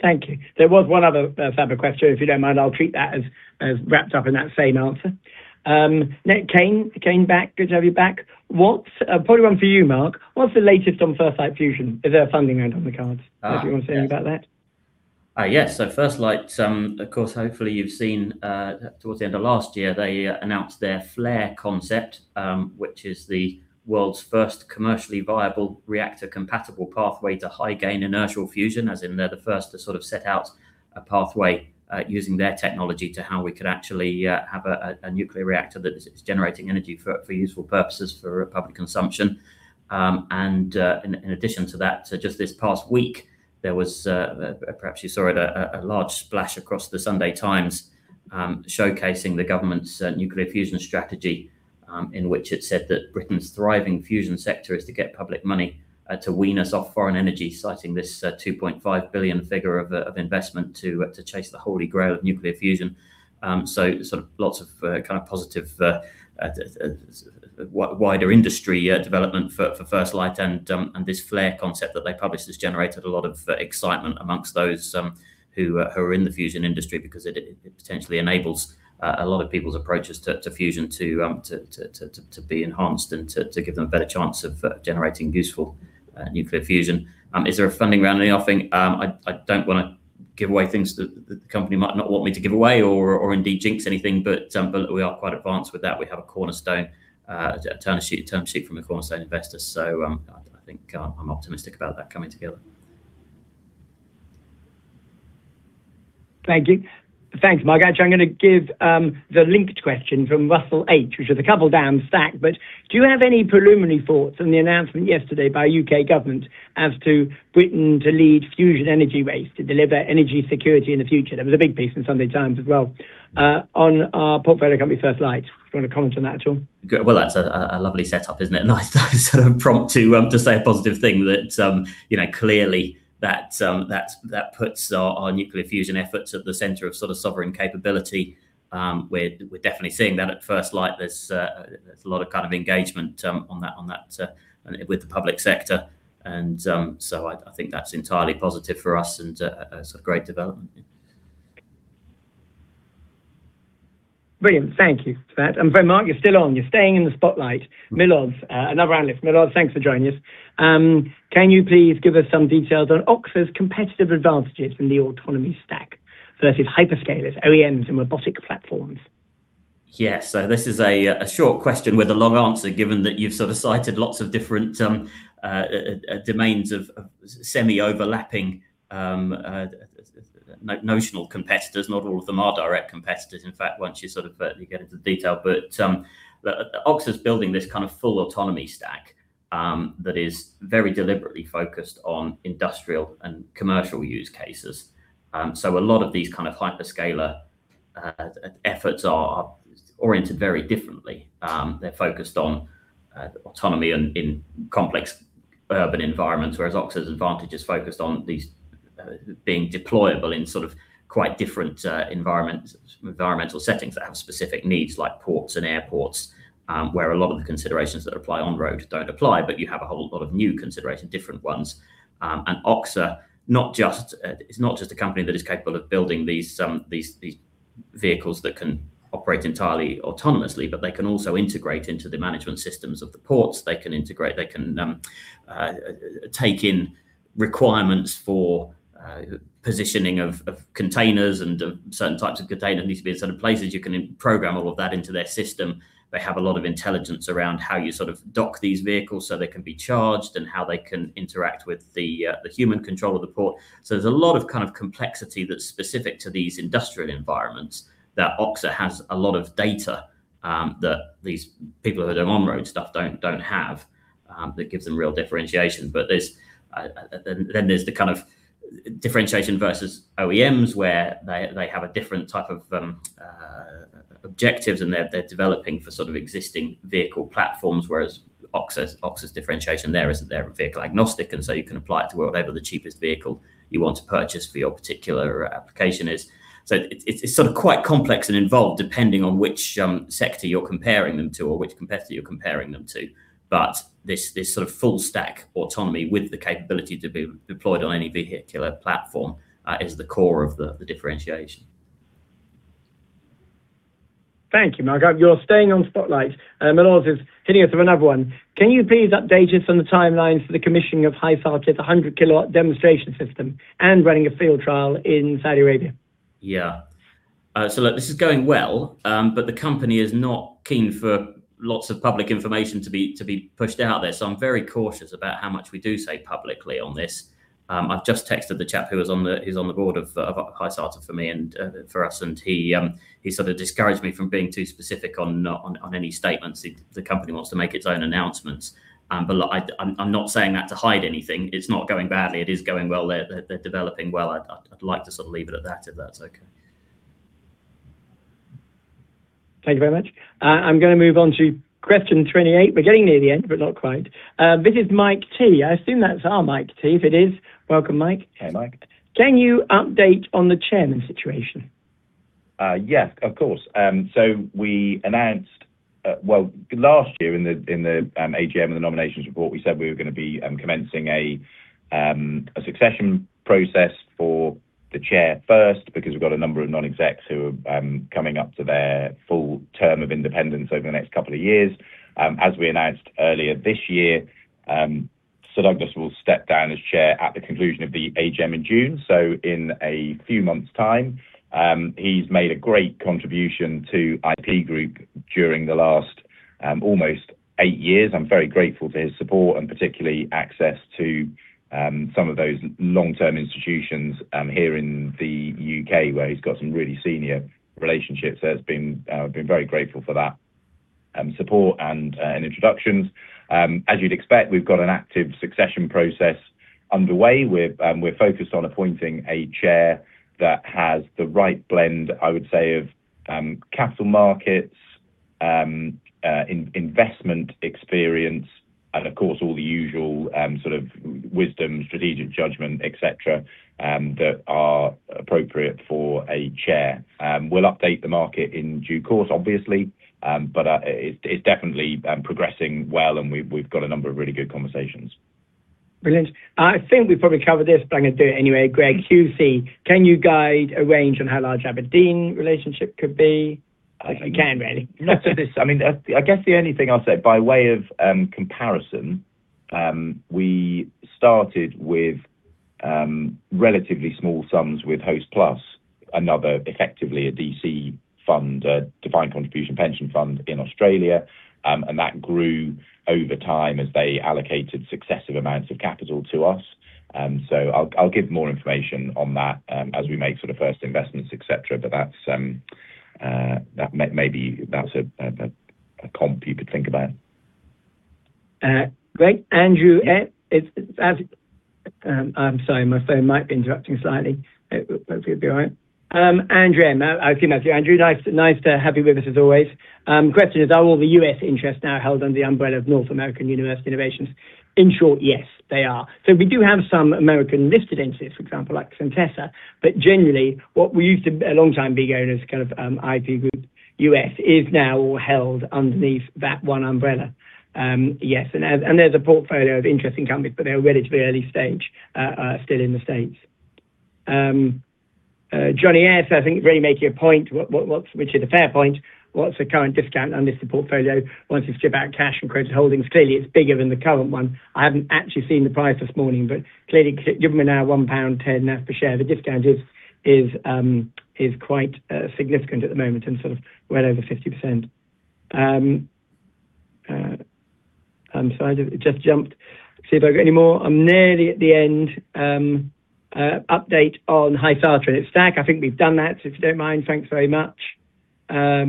Thank you. There was one other favorite question. If you don't mind, I'll treat that as wrapped up in that same answer. Now Kane back. Good to have you back. What's– Probably one for you, Mark. "What's the latest on First Light Fusion? Is there a funding round on the cards?" Yes. Do you wanna say anything about that? Yes. First Light Fusion, of course, hopefully you've seen, towards the end of last year, they announced their FLARE concept, which is the world's first commercially viable reactor compatible pathway to high gain inertial fusion, as in they're the first to sort of set out a pathway using their technology to how we could actually have a nuclear reactor that is generating energy for useful purposes for public consumption. In addition to that, just this past week there was perhaps you saw it, a large splash across the Sunday Times, showcasing the government's nuclear fusion strategy, in which it said that Britain's thriving fusion sector is to get public money to wean us off foreign energy, citing this 2.5 billion figure of investment to chase the holy grail of nuclear fusion. There are lots of kind of positive wider industry development for First Light and this FLARE concept that they published has generated a lot of excitement among those who are in the fusion industry because it potentially enables a lot of people's approaches to fusion to be enhanced and to give them a better chance of generating useful nuclear fusion. Is there a funding round? I think I don't wanna give away things that the company might not want me to give away or indeed jinx anything, but we are quite advanced with that. We have a cornerstone term sheet from a cornerstone investor. I think I'm optimistic about that coming together. Thank you. Thanks, Mark. Actually, I'm gonna give the linked question from Russell H, which is a couple down the stack. "Do you have any preliminary thoughts on the announcement yesterday by U.K. Government as to Britain to lead fusion energy race to deliver energy security in the future?" There was a big piece in Sunday Times as well on our portfolio company, First Light. Do you wanna comment on that at all? Good. Well, that's a lovely setup, isn't it? Nice sort of prompt to say a positive thing that, you know, clearly that puts our nuclear fusion efforts at the center of sort of sovereign capability. We're definitely seeing that at First Light. There's a lot of kind of engagement on that with the public sector. I think that's entirely positive for us and a sort of great development. Brilliant. Thank you for that. Mark, you're still on. You're staying in the spotlight. Milos, another analyst. Milos, thanks for joining us. "Can you please give us some details on Oxa's competitive advantages from the autonomy stack versus hyperscalers, OEMs and robotic platforms?" Yes. This is a short question with a long answer, given that you've sort of cited lots of different domains of semi-overlapping notional competitors. Not all of them are direct competitors, in fact, once you sort of you get into the detail. Oxa's building this kind of full autonomy stack, that is very deliberately focused on industrial and commercial use cases. A lot of these kind of hyperscaler efforts are oriented very differently. They're focused on autonomy in complex urban environments, whereas Oxa's advantage is focused on these being deployable in sort of quite different environments, environmental settings that have specific needs like ports and airports, where a lot of the considerations that apply on road don't apply, but you have a whole lot of new consideration, different ones. Oxa is not just a company that is capable of building these vehicles that can operate entirely autonomously, but they can also integrate into the management systems of the ports. They can integrate. They can take in requirements for positioning of containers and of certain types of containers need to be in certain places. You can program all of that into their system. They have a lot of intelligence around how you sort of dock these vehicles so they can be charged and how they can interact with the human control of the port. There's a lot of kind of complexity that's specific to these industrial environments that Oxa has a lot of data that these people who are doing on-road stuff don't have that gives them real differentiation. There's the kind of differentiation versus OEMs where they have a different type of objectives and they're developing for sort of existing vehicle platforms, whereas Oxa's differentiation there is that they're vehicle agnostic, and so you can apply it to whatever the cheapest vehicle you want to purchase for your particular application is. It's sort of quite complex and involved depending on which sector you're comparing them to or which competitor you're comparing them to. This sort of full stack autonomy with the capability to be deployed on any vehicular platform is the core of the differentiation. Thank you, Mark. You're staying on spotlight. Milos is hitting us with another one. "Can you please update us on the timelines for the commissioning of Hysata's 100-kW demonstration system and running a field trial in Saudi Arabia?" Yeah. Look, this is going well, but the company is not keen for lots of public information to be pushed out there, so I'm very cautious about how much we do say publicly on this. I've just texted the chap who's on the board of Hysata for me and for us, and he sort of discouraged me from being too specific on any statements. The company wants to make its own announcements. Look, I'm not saying that to hide anything. It's not going badly. It is going well. They're developing well. I'd like to sort of leave it at that if that's okay. Thank you very much. I'm gonna move on to question 28. We're getting near the end, but not quite. This is Mike T. I assume that's our Mike T. If it is, welcome, Mike. Hey, Mike. "Can you update on the chairman situation?" Yes, of course. We announced last year in the AGM and the nominations report, we said we were gonna be commencing a succession process for the chair first because we've got a number of non-execs who are coming up to their full term of independence over the next couple of years. As we announced earlier this year, Sir Douglas will step down as chair at the conclusion of the AGM in June, in a few months' time. He's made a great contribution to IP Group during the last almost eight years. I'm very grateful for his support and particularly access to some of those long-term institutions here in the U.K. where he's got some really senior relationships. It's been very grateful for that support and introductions. As you'd expect, we've got an active succession process underway. We're focused on appointing a chair that has the right blend, I would say, of capital markets, investment experience, and of course, all the usual sort of wisdom, strategic judgment, et cetera, that are appropriate for a chair. We'll update the market in due course obviously, but it's definitely progressing well, and we've got a number of really good conversations. Brilliant. I think we've probably covered this, but I'm gonna do it anyway. Greg, QC, "can you guide a range on how large Aberdeen relationship could be? If you can, really." I mean, that's, I guess, the only thing I'll say by way of comparison. We started with relatively small sums with Hostplus, another effectively a DC fund, a defined contribution pension fund in Australia, and that grew over time as they allocated successive amounts of capital to us. I'll give more information on that as we make sort of first investments, et cetera. That's maybe a comp you could think about. Great. Andrew S. I'm sorry, my phone might be interrupting slightly. Hopefully it'll be all right. Andrew M. Okay, Andrew. Andrew, nice to have you with us as always. Question is, "are all the U.S. interests now held under the umbrella of North American University Innovations?" In short, yes, they are. We do have some American-listed interests, for example, like Centessa. Generally, what we used to a long time be going as kind of, IP Group U.S. is now all held underneath that one umbrella. Yes, and there's a portfolio of interesting companies, but they're relatively early stage, still in the States. Johnny S, I think really making a point, what's which is a fair point. What's the current discount on this portfolio once you strip back cash and credit holdings? Clearly, it's bigger than the current one. I haven't actually seen the price this morning, but clearly given we're now 1.10 pound per share, the discount is quite significant at the moment and sort of well over 50%. I'm sorry. It just jumped. See if I've got any more. I'm nearly at the end. Update on Hysata and its stack. I think we've done that, so if you don't mind. Thanks very much. Yeah.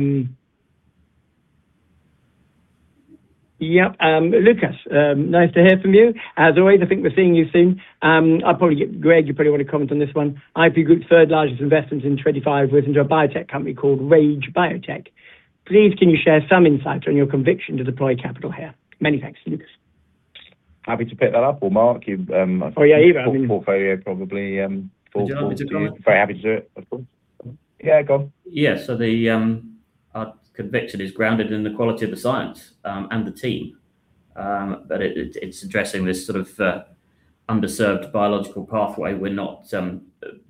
Lucas, nice to hear from you. As always, I think we're seeing you soon. I'll probably get Greg, you probably wanna comment on this one. IP Group's third largest investment in 2025 was into a biotech company called RAGE Biotech. Please, can you share some insight on your conviction to deploy capital here? Many thanks. Lucas. Happy to pick that up. Mark, you, Oh, yeah, either. I mean... portfolio probably full. Would you like me to do it? Very happy to do it. Of course. Yeah, go on. Yeah. Our conviction is grounded in the quality of the science and the team. It's addressing this sort of underserved biological pathway. We're not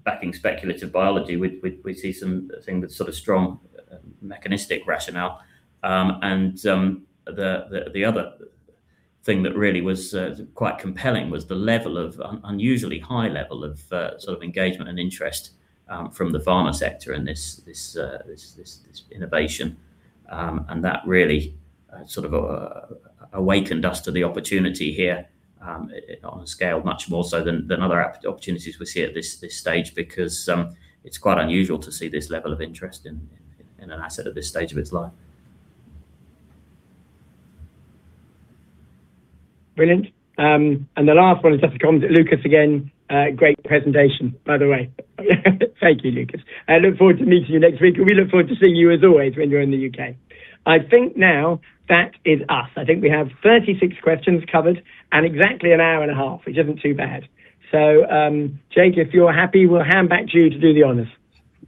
backing speculative biology. We see something that's sort of strong mechanistic rationale. The other thing that really was quite compelling was the unusually high level of sort of engagement and interest from the pharma sector and this innovation. That really sort of awakened us to the opportunity here on a scale much more so than other opportunities we see at this stage because it's quite unusual to see this level of interest in an asset at this stage of its life. Brilliant. The last one is just to comment. Lucas, again, "great presentation, by the way." Thank you, Lucas. "I look forward to meeting you next week," and we look forward to seeing you as always when you're in the U.K. I think now that is us. I think we have 36 questions covered and exactly an hour and a half, which isn't too bad. Jake, if you're happy, we'll hand back to you to do the honors.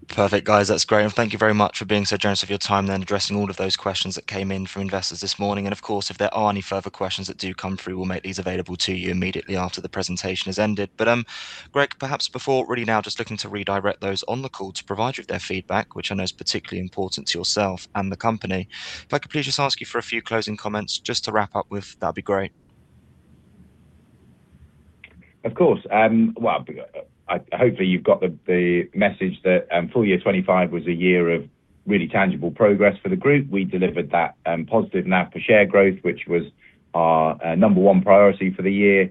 Perfect, guys. That's great. Thank you very much for being so generous with your time then addressing all of those questions that came in from investors this morning. Of course, if there are any further questions that do come through, we'll make these available to you immediately after the presentation has ended. Greg, perhaps before really now just looking to redirect those on the call to provide you with their feedback, which I know is particularly important to yourself and the company. If I could please just ask you for a few closing comments just to wrap up with, that'd be great. Of course. Well, I hope you've got the message that full year 2025 was a year of really tangible progress for the group. We delivered that positive NAV per share growth, which was our number one priority for the year.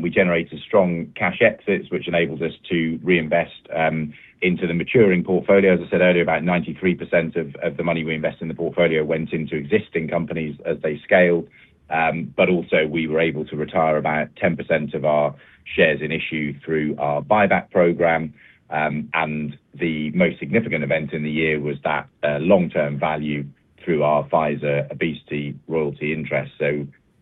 We generated strong cash exits, which enables us to reinvest into the maturing portfolio. As I said earlier, about 93% of the money we invest in the portfolio went into existing companies as they scaled. Also, we were able to retire about 10% of our shares in issue through our buyback program. The most significant event in the year was that long-term value through our Pfizer obesity royalty interest.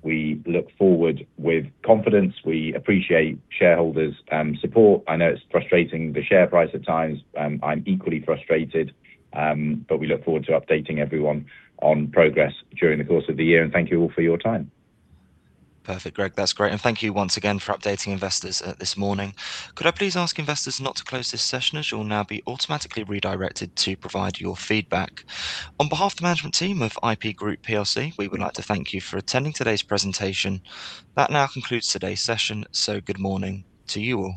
We look forward with confidence. We appreciate shareholders' support. I know it's frustrating the share price at times. I'm equally frustrated. We look forward to updating everyone on progress during the course of the year. Thank you all for your time. Perfect, Greg. That's great. And thank you once again for updating investors this morning. Could I please ask investors not to close this session, as you'll now be automatically redirected to provide your feedback. On behalf of the management team of IP Group plc, we would like to thank you for attending today's presentation. That now concludes today's session. Good morning to you all.